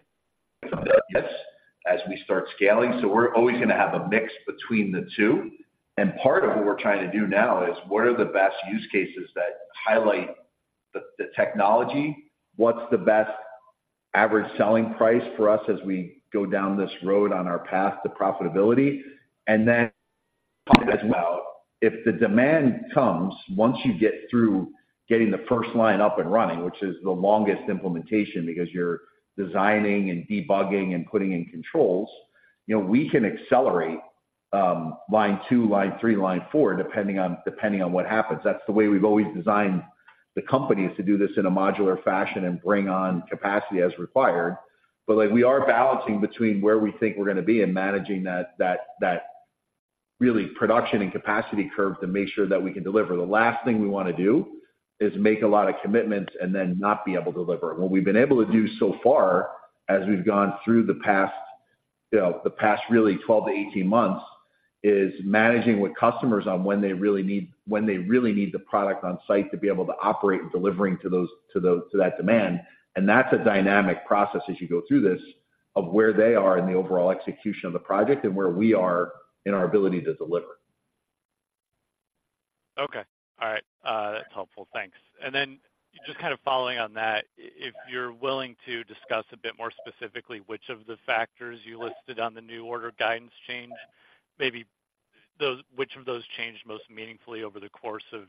up as we start scaling. So we're always gonna have a mix between the two, and part of what we're trying to do now is, what are the best use cases that highlight the, the technology? What's the best average selling price for us as we go down this road on our path to profitability? Then as well, if the demand comes, once you get through getting the first line up and running, which is the longest implementation, because you're designing and debugging and putting in controls, you know, we can accelerate line two, line three, line four, depending on, depending on what happens. That's the way we've always designed the companies to do this in a modular fashion and bring on capacity as required. But, like, we are balancing between where we think we're gonna be and managing that, that, that really production and capacity curve to make sure that we can deliver. The last thing we wanna do is make a lot of commitments and then not be able to deliver. What we've been able to do so far, as we've gone through the past, you know, the past really 12-18 months, is managing with customers on when they really need... when they really need the product on site to be able to operate and delivering to those, to those, to that demand. And that's a dynamic process as you go through this, of where they are in the overall execution of the project and where we are in our ability to deliver. Okay. All right, that's helpful. Thanks. And then just kind of following on that, if you're willing to discuss a bit more specifically which of the factors you listed on the new order guidance change, maybe those—which of those changed most meaningfully over the course of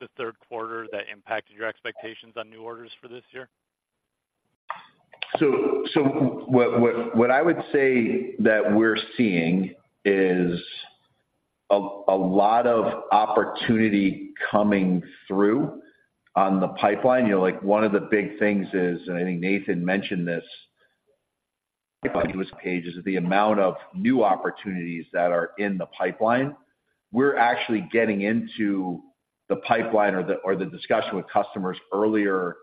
the third quarter that impacted your expectations on new orders for this year? So what I would say that we're seeing is a lot of opportunity coming through on the pipeline. You know, like, one of the big things is, and I think Nathan mentioned this, page, is the amount of new opportunities that are in the pipeline. We're actually getting into the pipeline or the discussion with customers earlier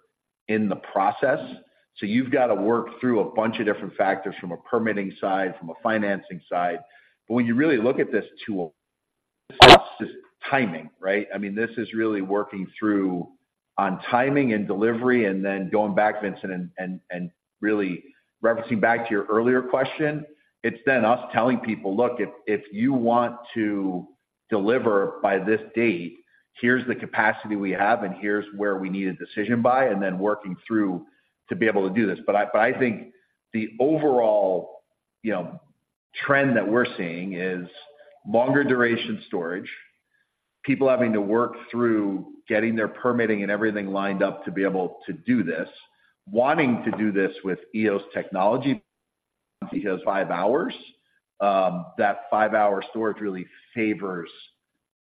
in the process. So you've got to work through a bunch of different factors from a permitting side, from a financing side. But when you really look at this tool, this is timing, right? I mean, this is really working through on timing and delivery, and then going back, Vincent, and really referencing back to your earlier question, it's then us telling people: Look, if you want to deliver by this date, here's the capacity we have, and here's where we need a decision by, and then working through to be able to do this. But I think the overall, you know, trend that we're seeing is longer duration storage, people having to work through getting their permitting and everything lined up to be able to do this, wanting to do this with Eos technology, because five hours, that five-hour storage really favors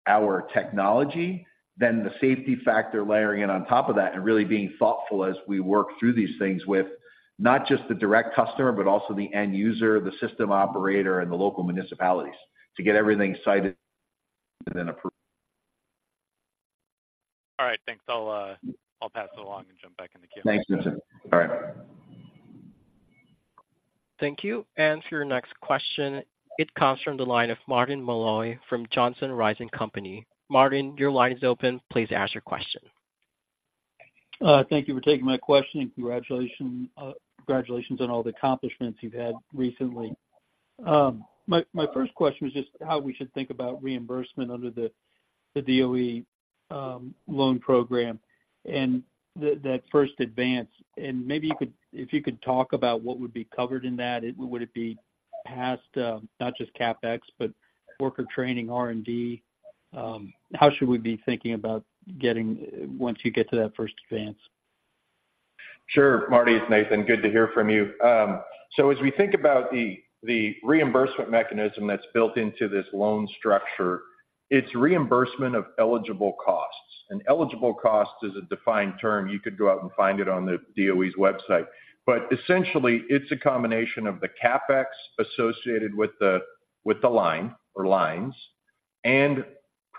our technology. Then, the safety factor layering in on top of that and really being thoughtful as we work through these things with not just the direct customer, but also the end user, the system operator, and the local municipalities to get everything sited and then approved. All right. Thanks. I'll, I'll pass it along and jump back in the queue. Thanks, Vincent. All right. Thank you. And for your next question, it comes from the line of Martin Malloy from Johnson Rice & Company. Martin, your line is open. Please ask your question. Thank you for taking my question, and congratulations on all the accomplishments you've had recently. My first question was just how we should think about reimbursement under the DOE loan program and that first advance. Maybe you could talk about what would be covered in that. Would it be past, not just CapEx, but worker training, R&D? How should we be thinking about, once you get to that first advance? Sure, Marty, it's Nathan. Good to hear from you. So as we think about the reimbursement mechanism that's built into this loan structure, it's reimbursement of eligible costs. Eligible costs is a defined term. You could go out and find it on the DOE's website. Essentially, it's a combination of the CapEx associated with the line or lines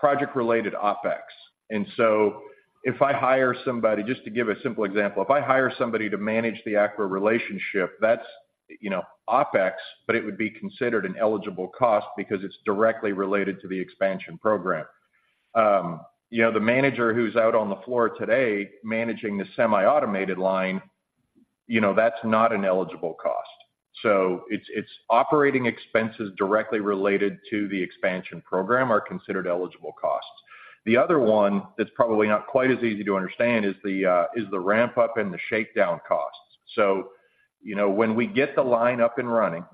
and project-related OpEx. So if I hire somebody, just to give a simple example, if I hire somebody to manage the ACWA relationship, that's, you know, OpEx, but it would be considered an eligible cost because it's directly related to the expansion program. You know, the manager who's out on the floor today managing the semi-automated line, you know, that's not an eligible cost. It's operating expenses directly related to the expansion program are considered eligible costs. The other one that's probably not quite as easy to understand is the ramp-up and the shakedown costs. So, you know, when we get the line up and running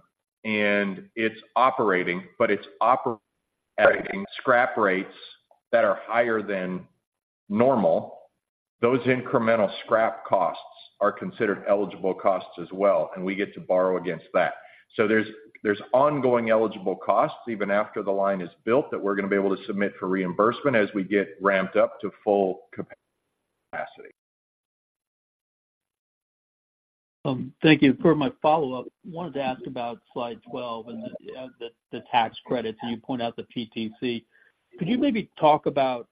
and it's operating, but it's operating scrap rates that are higher than normal, those incremental scrap costs are considered eligible costs as well, and we get to borrow against that. So there's ongoing eligible costs, even after the line is built, that we're gonna be able to submit for reimbursement as we get ramped up to full capacity.... Thank you. For my follow up, I wanted to ask about slide 12 and the tax credits, and you point out the PTC. Could you maybe talk about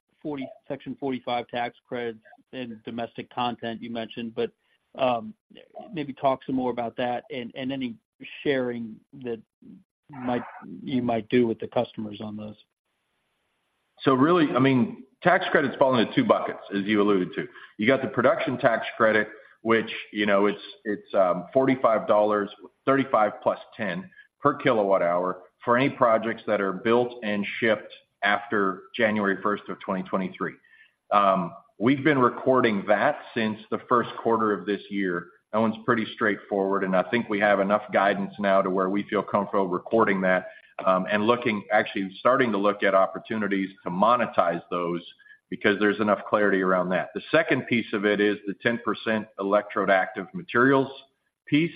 Section 45 tax credits and domestic content you mentioned, but maybe talk some more about that and any sharing that you might do with the customers on this? So really, I mean, tax credits fall into two buckets, as you alluded to. You got the production tax credit, which, you know, it's, it's $45, $35 + 10 per kWh for any projects that are built and shipped after January first of 2023. We've been recording that since the first quarter of this year. That one's pretty straightforward, and I think we have enough guidance now to where we feel comfortable recording that, and looking, actually, starting to look at opportunities to monetize those because there's enough clarity around that. The second piece of it is the 10% electrode active materials piece.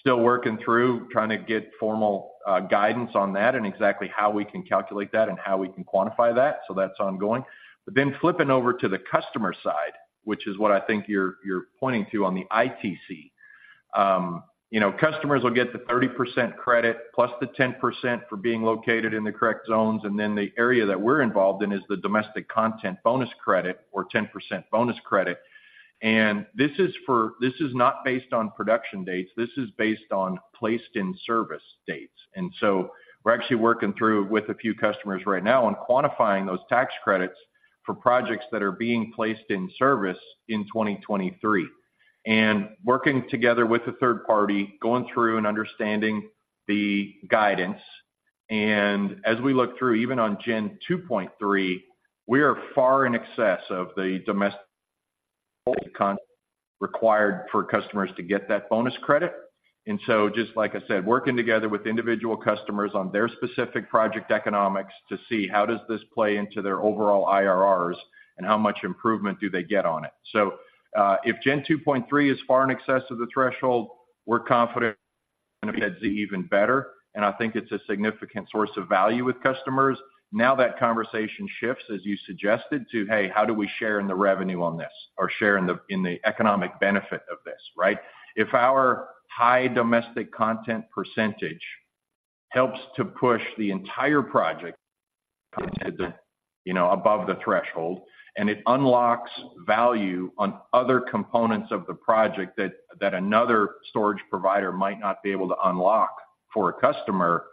Still working through, trying to get formal guidance on that and exactly how we can calculate that and how we can quantify that, so that's ongoing. But then flipping over to the customer side, which is what I think you're, you're pointing to on the ITC. You know, customers will get the 30% credit plus the 10% for being located in the correct zones, and then the area that we're involved in is the Domestic Content Bonus Credit or 10% bonus credit. This is not based on production dates. This is based on placed in-service dates. And so we're actually working through with a few customers right now on quantifying those tax credits for projects that are being placed in service in 2023. And working together with a third party, going through and understanding the guidance. And as we look through, even on Gen 2.3, we are far in excess of the domestic content required for customers to get that bonus credit. And so just like I said, working together with individual customers on their specific project economics to see how does this play into their overall IRRs and how much improvement do they get on it. So, if Gen 2.3 is far in excess of the threshold, we're confident it's even better, and I think it's a significant source of value with customers. Now, that conversation shifts, as you suggested, to, "Hey, how do we share in the revenue on this, or share in the, in the economic benefit of this," right? If our high domestic content percentage helps to push the entire project, you know, above the threshold, and it unlocks value on other components of the project that, that another storage provider might not be able to unlock for a customer,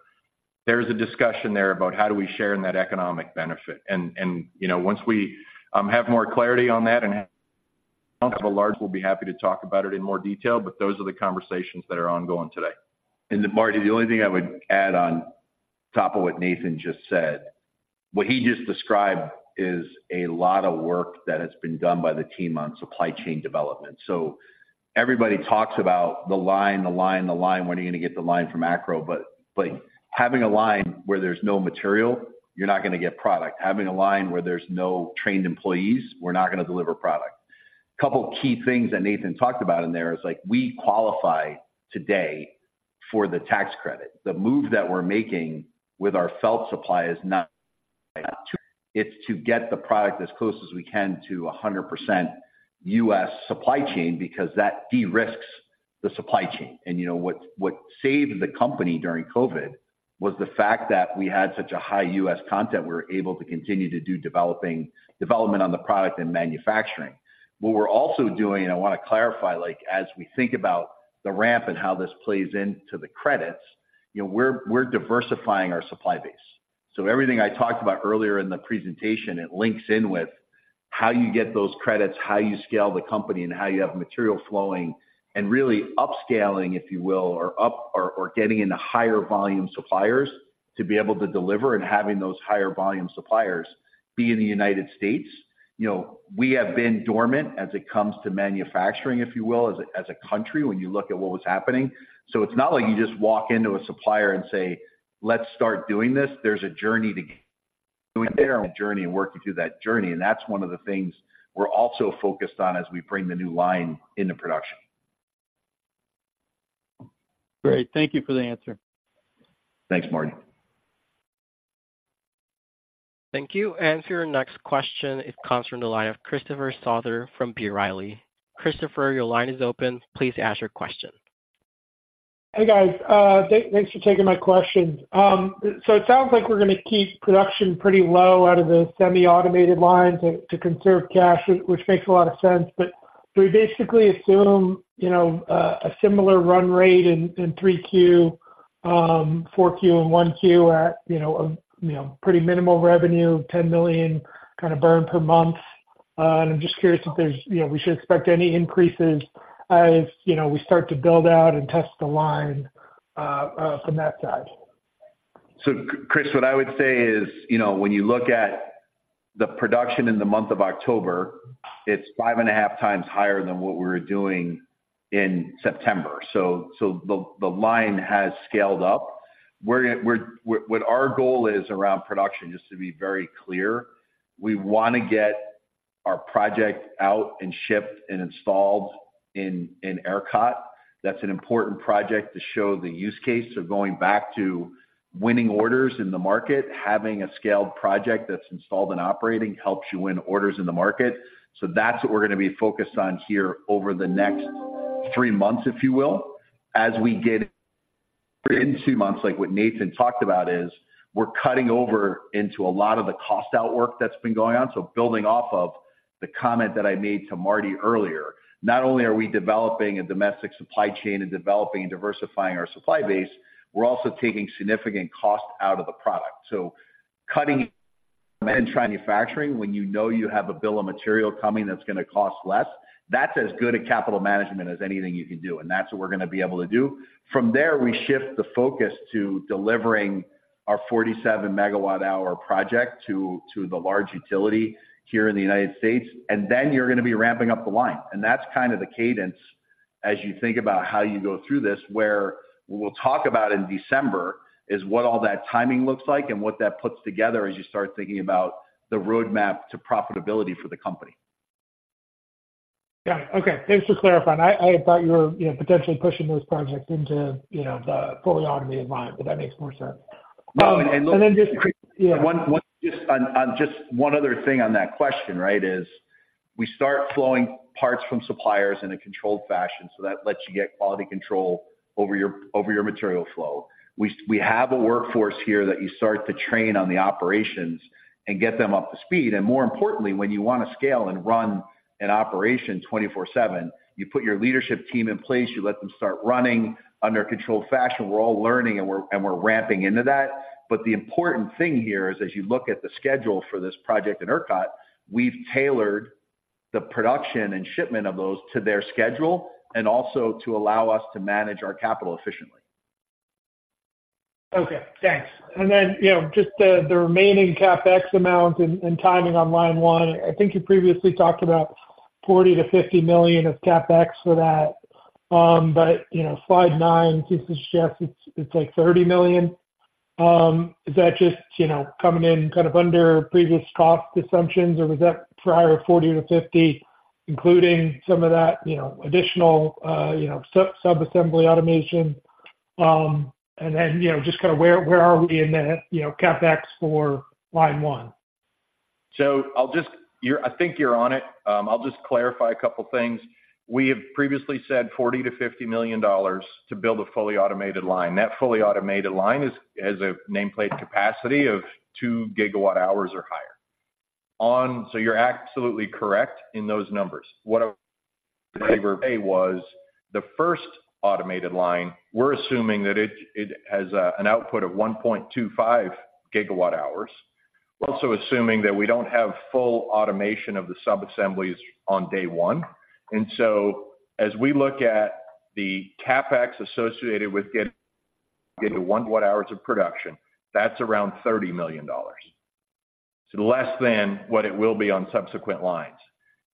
there's a discussion there about how do we share in that economic benefit. You know, once we have more clarity on that and have a large, we'll be happy to talk about it in more detail, but those are the conversations that are ongoing today. And then, Marty, the only thing I would add on top of what Nathan just said, what he just described is a lot of work that has been done by the team on supply chain development. So everybody talks about the line, the line, the line, when are you going to get the line from ACRO? But, but having a line where there's no material, you're not going to get product. Having a line where there's no trained employees, we're not going to deliver product. A couple of key things that Nathan talked about in there is, like, we qualify today for the tax credit. The move that we're making with our felt supply is not... It's to get the product as close as we can to 100% U.S. supply chain because that de-risks the supply chain. You know, what saved the company during COVID was the fact that we had such a high US content; we were able to continue to do development on the product and manufacturing. What we're also doing, and I want to clarify, like, as we think about the ramp and how this plays into the credits, you know, we're diversifying our supply base. So everything I talked about earlier in the presentation, it links in with how you get those credits, how you scale the company, and how you have material flowing and really upscaling, if you will, or getting into higher volume suppliers to be able to deliver and having those higher volume suppliers be in the United States. You know, we have been dormant as it comes to manufacturing, if you will, as a country, when you look at what was happening. So it's not like you just walk into a supplier and say, "Let's start doing this." There's a journey to get there, and we're working through that journey, and that's one of the things we're also focused on as we bring the new line into production. Great. Thank you for the answer. Thanks, Marty. Thank you. And for your next question, it comes from the line of Christopher Souther from B. Riley. Christopher, your line is open. Please ask your question. Hey, guys, thanks for taking my questions. So it sounds like we're going to keep production pretty low out of the semi-automated lines to conserve cash, which makes a lot of sense. But do we basically assume, you know, a similar run rate in 3Q, 4Q, and 1Q at, you know, pretty minimal revenue, $10 million kind of burn per month? And I'm just curious if there's, you know, we should expect any increases as, you know, we start to build out and test the line from that side. So, Chris, what I would say is, you know, when you look at the production in the month of October, it's 5.5x higher than what we were doing in September. So the line has scaled up. We're gonna. What our goal is around production, just to be very clear, we want to get our project out and shipped and installed in ERCOT. That's an important project to show the use case. So going back to winning orders in the market, having a scaled project that's installed and operating helps you win orders in the market. So that's what we're going to be focused on here over the next three months, if you will. But in two months, like what Nathan talked about, is we're cutting over into a lot of the cost outwork that's been going on. So building off of the comment that I made to Marty earlier, not only are we developing a domestic supply chain and developing and diversifying our supply base, we're also taking significant cost out of the product. So cutting manufacturing when you know you have a bill of material coming, that's gonna cost less, that's as good a capital management as anything you can do, and that's what we're gonna be able to do. From there, we shift the focus to delivering our 47 MWh project to the large utility here in the United States, and then you're gonna be ramping up the line. That's kind of the cadence as you think about how you go through this, where we'll talk about in December is what all that timing looks like and what that puts together as you start thinking about the roadmap to profitability for the company. Yeah. Okay, thanks for clarifying. I, I thought you were, you know, potentially pushing those projects into, you know, the fully automated line, but that makes more sense. And look- And then just, yeah. Just one other thing on that question, right, is we start flowing parts from suppliers in a controlled fashion, so that lets you get quality control over your material flow. We have a workforce here that you start to train on the operations and get them up to speed. And more importantly, when you want to scale and run an operation 24/7, you put your leadership team in place, you let them start running under a controlled fashion. We're all learning, and we're ramping into that. But the important thing here is, as you look at the schedule for this project in ERCOT, we've tailored the production and shipment of those to their schedule and also to allow us to manage our capital efficiently. Okay, thanks. And then, you know, just the remaining CapEx amount and timing on line 1. I think you previously talked about $40 million-$50 million of CapEx for that. But, you know, slide 9 seems to suggest it's like $30 million. Is that just, you know, coming in kind of under previous cost assumptions, or was that prior $40 million-$50 million including some of that, you know, additional sub-assembly automation? And then, you know, just kind of where are we in that, you know, CapEx for line 1? I think you're on it. I'll just clarify a couple things. We have previously said $40 million-$50 million to build a fully automated line. That fully automated line is, has a nameplate capacity of 2 GWh or higher. So you're absolutely correct in those numbers. What I would say was, the first automated line, we're assuming that it has an output of 1.25 GWh. We're also assuming that we don't have full automation of the subassemblies on day one. And so as we look at the CapEx associated with getting 1 GWh of production, that's around $30 million. So less than what it will be on subsequent lines.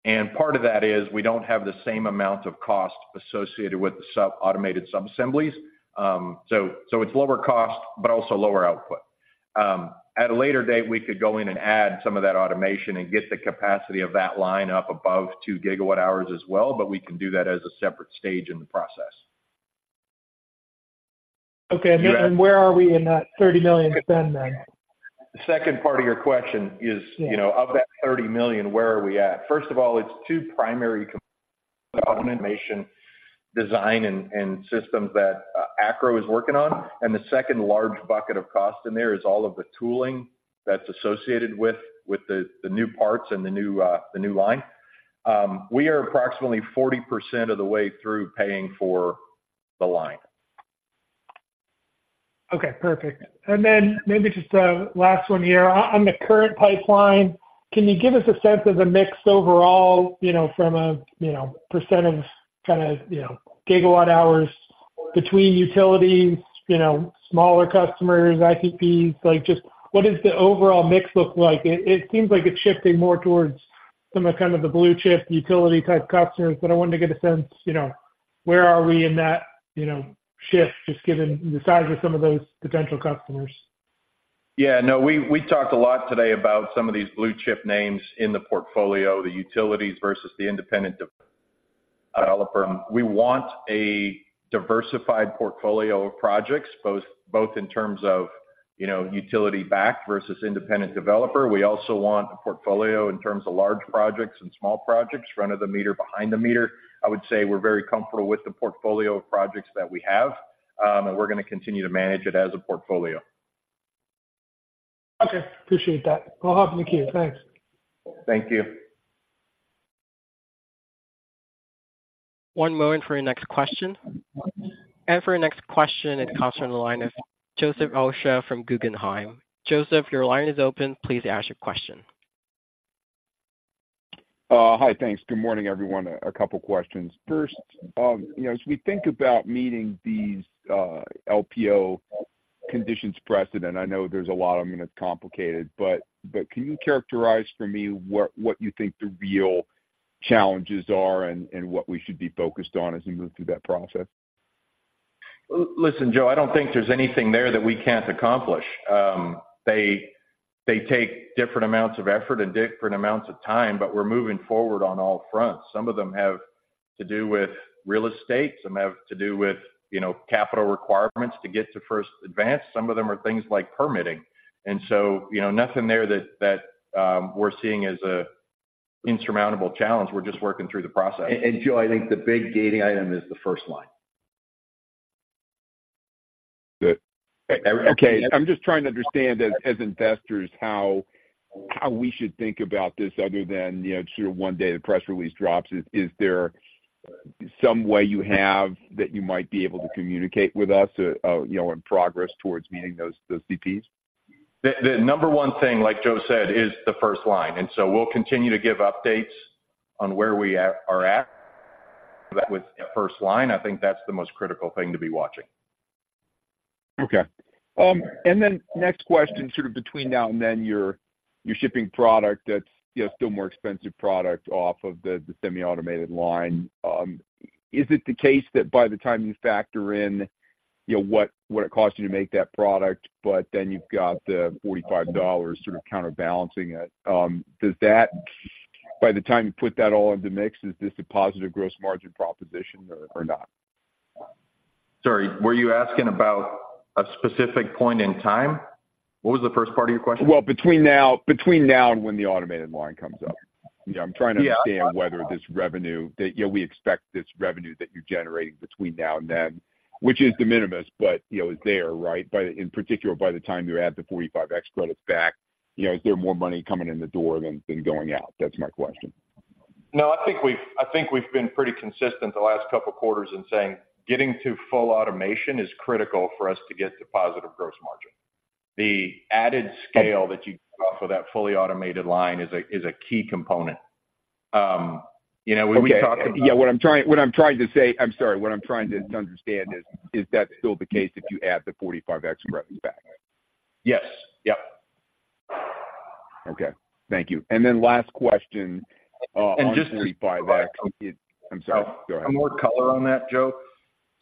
And part of that is we don't have the same amount of cost associated with the automated subassemblies. So it's lower cost, but also lower output. At a later date, we could go in and add some of that automation and get the capacity of that line up above 2 gigawatt hours as well, but we can do that as a separate stage in the process. Okay. Yeah. Where are we in that $30 million spend then? The second part of your question is- Yeah... you know, of that $30 million, where are we at? First of all, it's 2 primary automation design and systems that ACRO is working on. And the second large bucket of cost in there is all of the tooling that's associated with the new parts and the new line. We are approximately 40% of the way through paying for the line. Okay, perfect. And then maybe just a last one here. On, on the current pipeline, can you give us a sense of the mix overall, you know, from a, you know, percent of kind of, you know, gigawatt hours between utilities, you know, smaller customers, ICPs? Like, just what does the overall mix look like? It, it seems like it's shifting more towards some of the kind of the blue chip utility-type customers, but I wanted to get a sense, you know, where are we in that, you know, shift, just given the size of some of those potential customers. Yeah. No, we, we talked a lot today about some of these blue chip names in the portfolio, the utilities versus the independent developer. We want a diversified portfolio of projects, both, both in terms of, you know, utility-backed versus independent developer. We also want a portfolio in terms of large projects and small projects, front of the meter, behind the meter. I would say we're very comfortable with the portfolio of projects that we have, and we're gonna continue to manage it as a portfolio. Okay, appreciate that. I'll hop in the queue. Thanks. Thank you. One moment for your next question. For our next question, it comes from the line of Joseph Osha from Guggenheim. Joseph, your line is open. Please ask your question. Hi. Thanks. Good morning, everyone. A couple questions. First, you know, as we think about meeting these LPO conditions precedent, I know there's a lot of them, and it's complicated, but can you characterize for me what you think the real challenges are and what we should be focused on as we move through that process? Listen, Joe, I don't think there's anything there that we can't accomplish. They take different amounts of effort and different amounts of time, but we're moving forward on all fronts. Some of them have to do with real estate, some have to do with, you know, capital requirements to get to first advance. Some of them are things like permitting. And so, you know, nothing there that we're seeing as a- ... insurmountable challenge. We're just working through the process. And Joe, I think the big gating item is the first line. Good. Okay, I'm just trying to understand as investors, how we should think about this other than, you know, sort of one day the press release drops. Is there some way you have that you might be able to communicate with us, you know, in progress towards meeting those CPs? The number one thing, like Joe said, is the first line, and so we'll continue to give updates on where we are at. That with the first line, I think that's the most critical thing to be watching. Okay. And then next question, sort of between now and then, you're shipping product that's, you know, still more expensive product off of the semi-automated line. Is it the case that by the time you factor in, you know, what it costs you to make that product, but then you've got the $45 sort of counterbalancing it? Does that, by the time you put that all in the mix, is this a positive gross margin proposition or not? Sorry, were you asking about a specific point in time? What was the first part of your question? Well, between now and when the automated line comes up. You know, I'm trying to- Yeah... understand whether this revenue that... You know, we expect this revenue that you're generating between now and then, which is de minimis, but, you know, is there, right? By the—in particular, by the time you add the 45X credits back, you know, is there more money coming in the door than, than going out? That's my question. No, I think we've, I think we've been pretty consistent the last couple of quarters in saying getting to full automation is critical for us to get to positive gross margin. The added scale that you offer, that fully automated line is a, is a key component. You know, when we talk- Yeah, what I'm trying to understand is, is that still the case if you add the 45X credits back? Yes. Yep. Okay, thank you. And then last question, And just- 45X. I'm sorry, go ahead. A more color on that, Joe.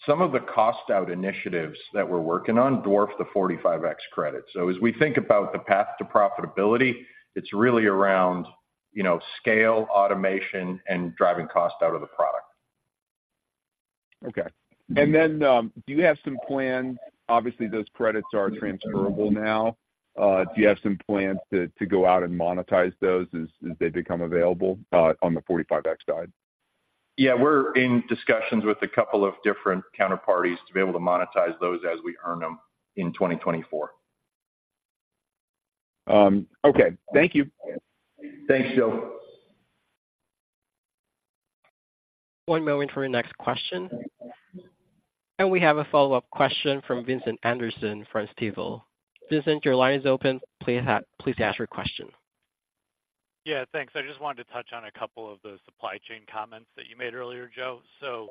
Some of the cost out initiatives that we're working on dwarf the 45X credit. So as we think about the path to profitability, it's really around, you know, scale, automation, and driving cost out of the product. Okay. And then, do you have some plans? Obviously, those credits are transferable now. Do you have some plans to go out and monetize those as they become available on the 45X side? Yeah, we're in discussions with a couple of different counterparties to be able to monetize those as we earn them in 2024. Okay. Thank you. Thanks, Joe. One moment for your next question. We have a follow up question from Vincent Anderson from Stifel. Vincent, your line is open. Please please ask your question. Yeah, thanks. I just wanted to touch on a couple of the supply chain comments that you made earlier, Joe. So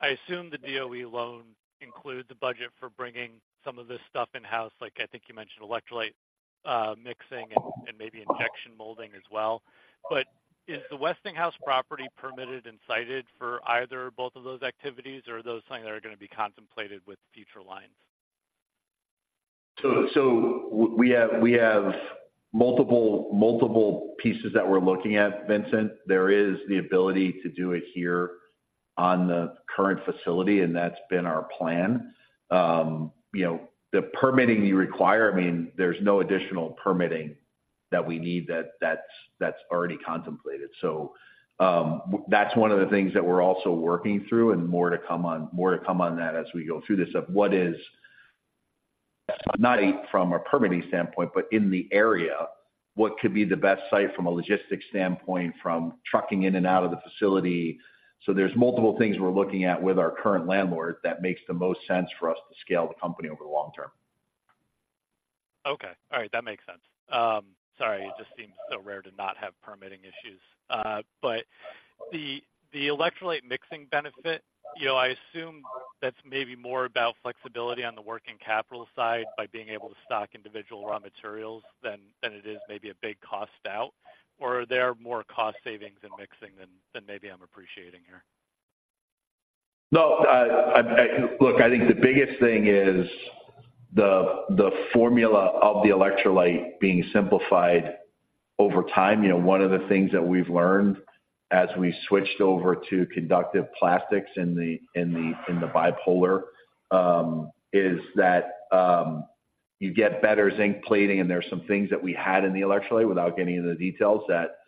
I assume the DOE loan includes a budget for bringing some of this stuff in-house. Like, I think you mentioned electrolyte mixing and maybe injection molding as well. But is the Westinghouse property permitted and sited for either both of those activities, or are those something that are gonna be contemplated with future lines? So we have multiple pieces that we're looking at, Vincent. There is the ability to do it here on the current facility, and that's been our plan. You know, the permitting you require, I mean, there's no additional permitting that we need that's already contemplated. So that's one of the things that we're also working through, and more to come on, more to come on that as we go through this of what is. Not from a permitting standpoint, but in the area, what could be the best site from a logistics standpoint, from trucking in and out of the facility. So there's multiple things we're looking at with our current landlord that makes the most sense for us to scale the company over the long term. Okay. All right, that makes sense. Sorry, it just seems so rare to not have permitting issues. But the electrolyte mixing benefit, you know, I assume that's maybe more about flexibility on the working capital side by being able to stock individual raw materials than it is maybe a big cost out, or are there more cost savings in mixing than maybe I'm appreciating here? No, I... Look, I think the biggest thing is the formula of the electrolyte being simplified over time. You know, one of the things that we've learned as we switched over to conductive plastics in the bipolar is that you get better zinc plating, and there are some things that we had in the electrolyte without getting into the details, that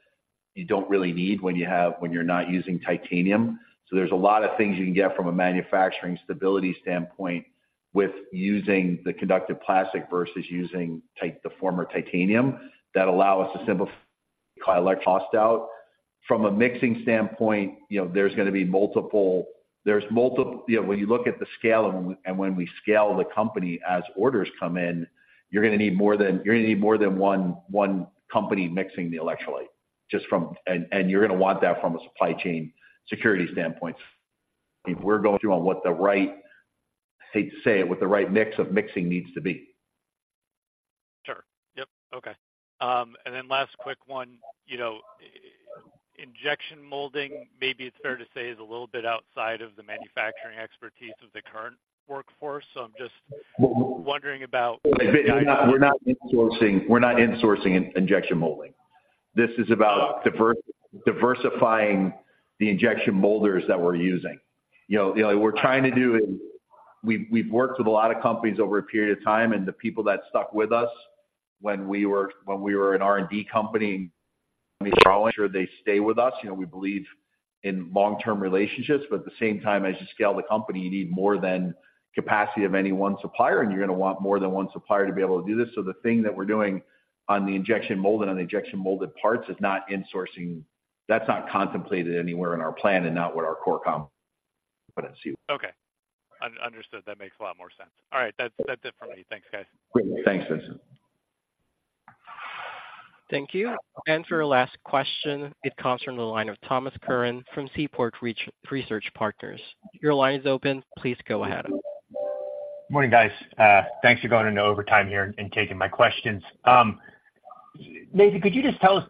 you don't really need when you have - when you're not using titanium. So there's a lot of things you can get from a manufacturing stability standpoint with using the conductive plastic versus using the former titanium, that allow us to simplify cost out. From a mixing standpoint, you know, there's gonna be multiple - there's multiple... You know, when you look at the scale and when we scale the company as orders come in, you're gonna need more than one company mixing the electrolyte, just from—and you're gonna want that from a supply chain security standpoint. If we're going through on what the right, I hate to say it, what the right mix of mixing needs to be. Sure. Yep. Okay. And then last quick one, you know, injection molding, maybe it's fair to say, is a little bit outside of the manufacturing expertise of the current workforce. So I'm just wondering about- We're not insourcing injection molding. This is about diversifying the injection molders that we're using. You know, we're trying to do... We've worked with a lot of companies over a period of time, and the people that stuck with us when we were an R&D company, we ensure they stay with us. You know, we believe in long-term relationships, but at the same time, as you scale the company, you need more than capacity of any one supplier, and you're gonna want more than one supplier to be able to do this. So the thing that we're doing on the injection molding, on the injection molded parts, is not insourcing. That's not contemplated anywhere in our plan and not what our core competency is. Okay. Understood. That makes a lot more sense. All right. That's, that's it for me. Thanks, guys. Great. Thanks, Vicent. Thank you. For our last question, it comes from the line of Thomas Curran from Seaport Research Partners. Your line is open. Please go ahead. Good morning, guys. Thanks for going into overtime here and taking my questions. Nathan, could you just tell us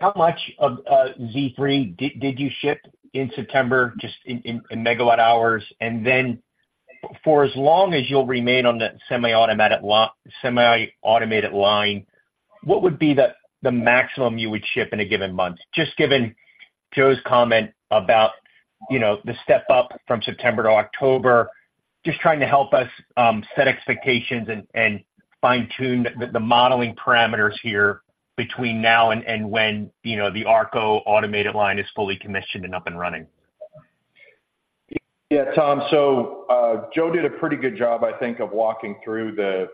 how much of Z3 did you ship in September, just in megawatt hours? And then for as long as you'll remain on the semi-automated line, what would be the maximum you would ship in a given month? Just given Joe's comment about, you know, the step up from September to October. Just trying to help us set expectations and fine-tune the modeling parameters here between now and when, you know, the ACRO automated line is fully commissioned and up and running. Yeah, Tom. So, Joe did a pretty good job, I think, of walking through the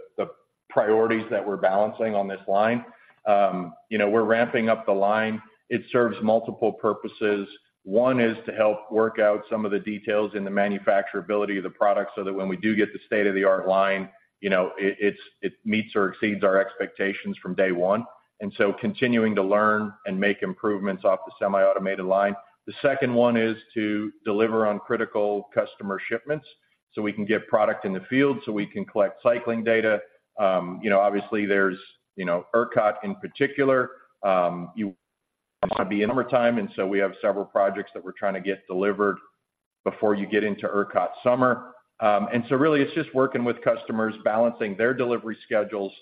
priorities that we're balancing on this line. You know, we're ramping up the line. It serves multiple purposes. One is to help work out some of the details in the manufacturability of the product, so that when we do get the state-of-the-art line, you know, it meets or exceeds our expectations from day one. And so continuing to learn and make improvements off the semi-automated line. The second one is to deliver on critical customer shipments, so we can get product in the field, so we can collect cycling data. You know, obviously there's ERCOT in particular. You want to be in summertime, and so we have several projects that we're trying to get delivered before you get into ERCOT summer. And so really, it's just working with customers, balancing their delivery schedules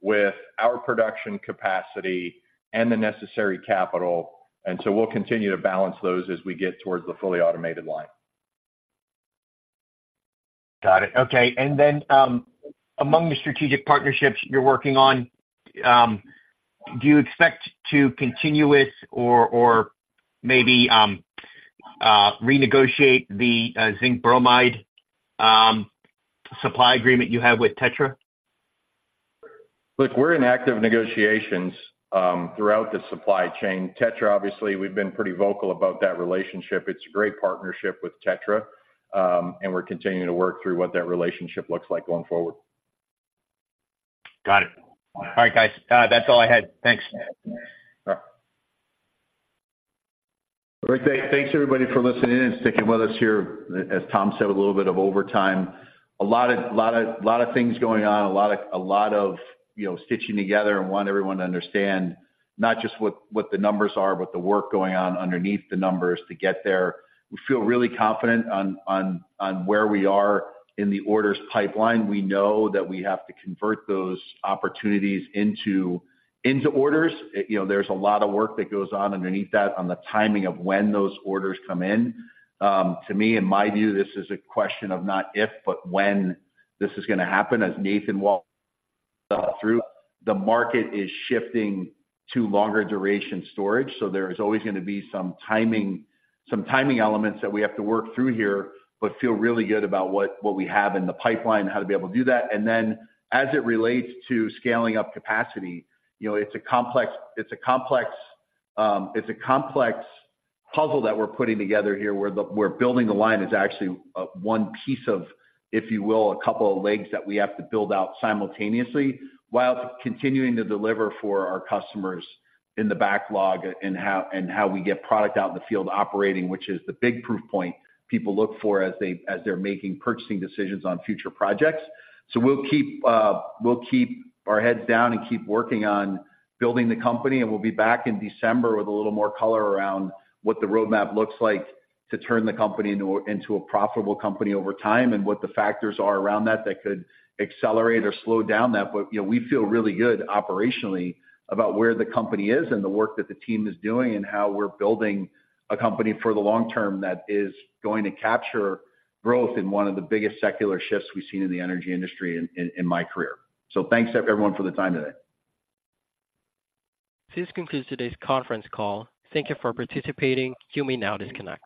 with our production capacity and the necessary capital, and so we'll continue to balance those as we get towards the fully automated line. Got it. Okay. And then, among the strategic partnerships you're working on, do you expect to continue with or, or maybe, renegotiate the zinc bromide supply agreement you have with Tetra? Look, we're in active negotiations throughout the supply chain. Tetra, obviously, we've been pretty vocal about that relationship. It's a great partnership with Tetra, and we're continuing to work through what that relationship looks like going forward. Got it. All right, guys. That's all I had. Thanks. All right. Thanks, everybody, for listening in and sticking with us here, as Tom said, a little bit of overtime. A lot of things going on. A lot of, you know, stitching together and want everyone to understand not just what the numbers are, but the work going on underneath the numbers to get there. We feel really confident on where we are in the orders pipeline. We know that we have to convert those opportunities into orders. You know, there's a lot of work that goes on underneath that on the timing of when those orders come in. To me, in my view, this is a question of not if, but when this is gonna happen, as Nathan walked through. The market is shifting to longer duration storage, so there is always gonna be some timing, some timing elements that we have to work through here, but feel really good about what, what we have in the pipeline and how to be able to do that. And then, as it relates to scaling up capacity, you know, it's a complex, it's a complex, it's a complex puzzle that we're putting together here, where building the line is actually, one piece of, if you will, a couple of legs that we have to build out simultaneously, while continuing to deliver for our customers in the backlog and how, and how we get product out in the field operating, which is the big proof point people look for as they, as they're making purchasing decisions on future projects. So we'll keep, we'll keep our heads down and keep working on building the company, and we'll be back in December with a little more color around what the roadmap looks like to turn the company into a profitable company over time, and what the factors are around that that could accelerate or slow down that. But, you know, we feel really good operationally about where the company is and the work that the team is doing, and how we're building a company for the long term that is going to capture growth in one of the biggest secular shifts we've seen in the energy industry in my career. So thanks, everyone, for the time today. This concludes today's conference call. Thank you for participating. You may now disconnect.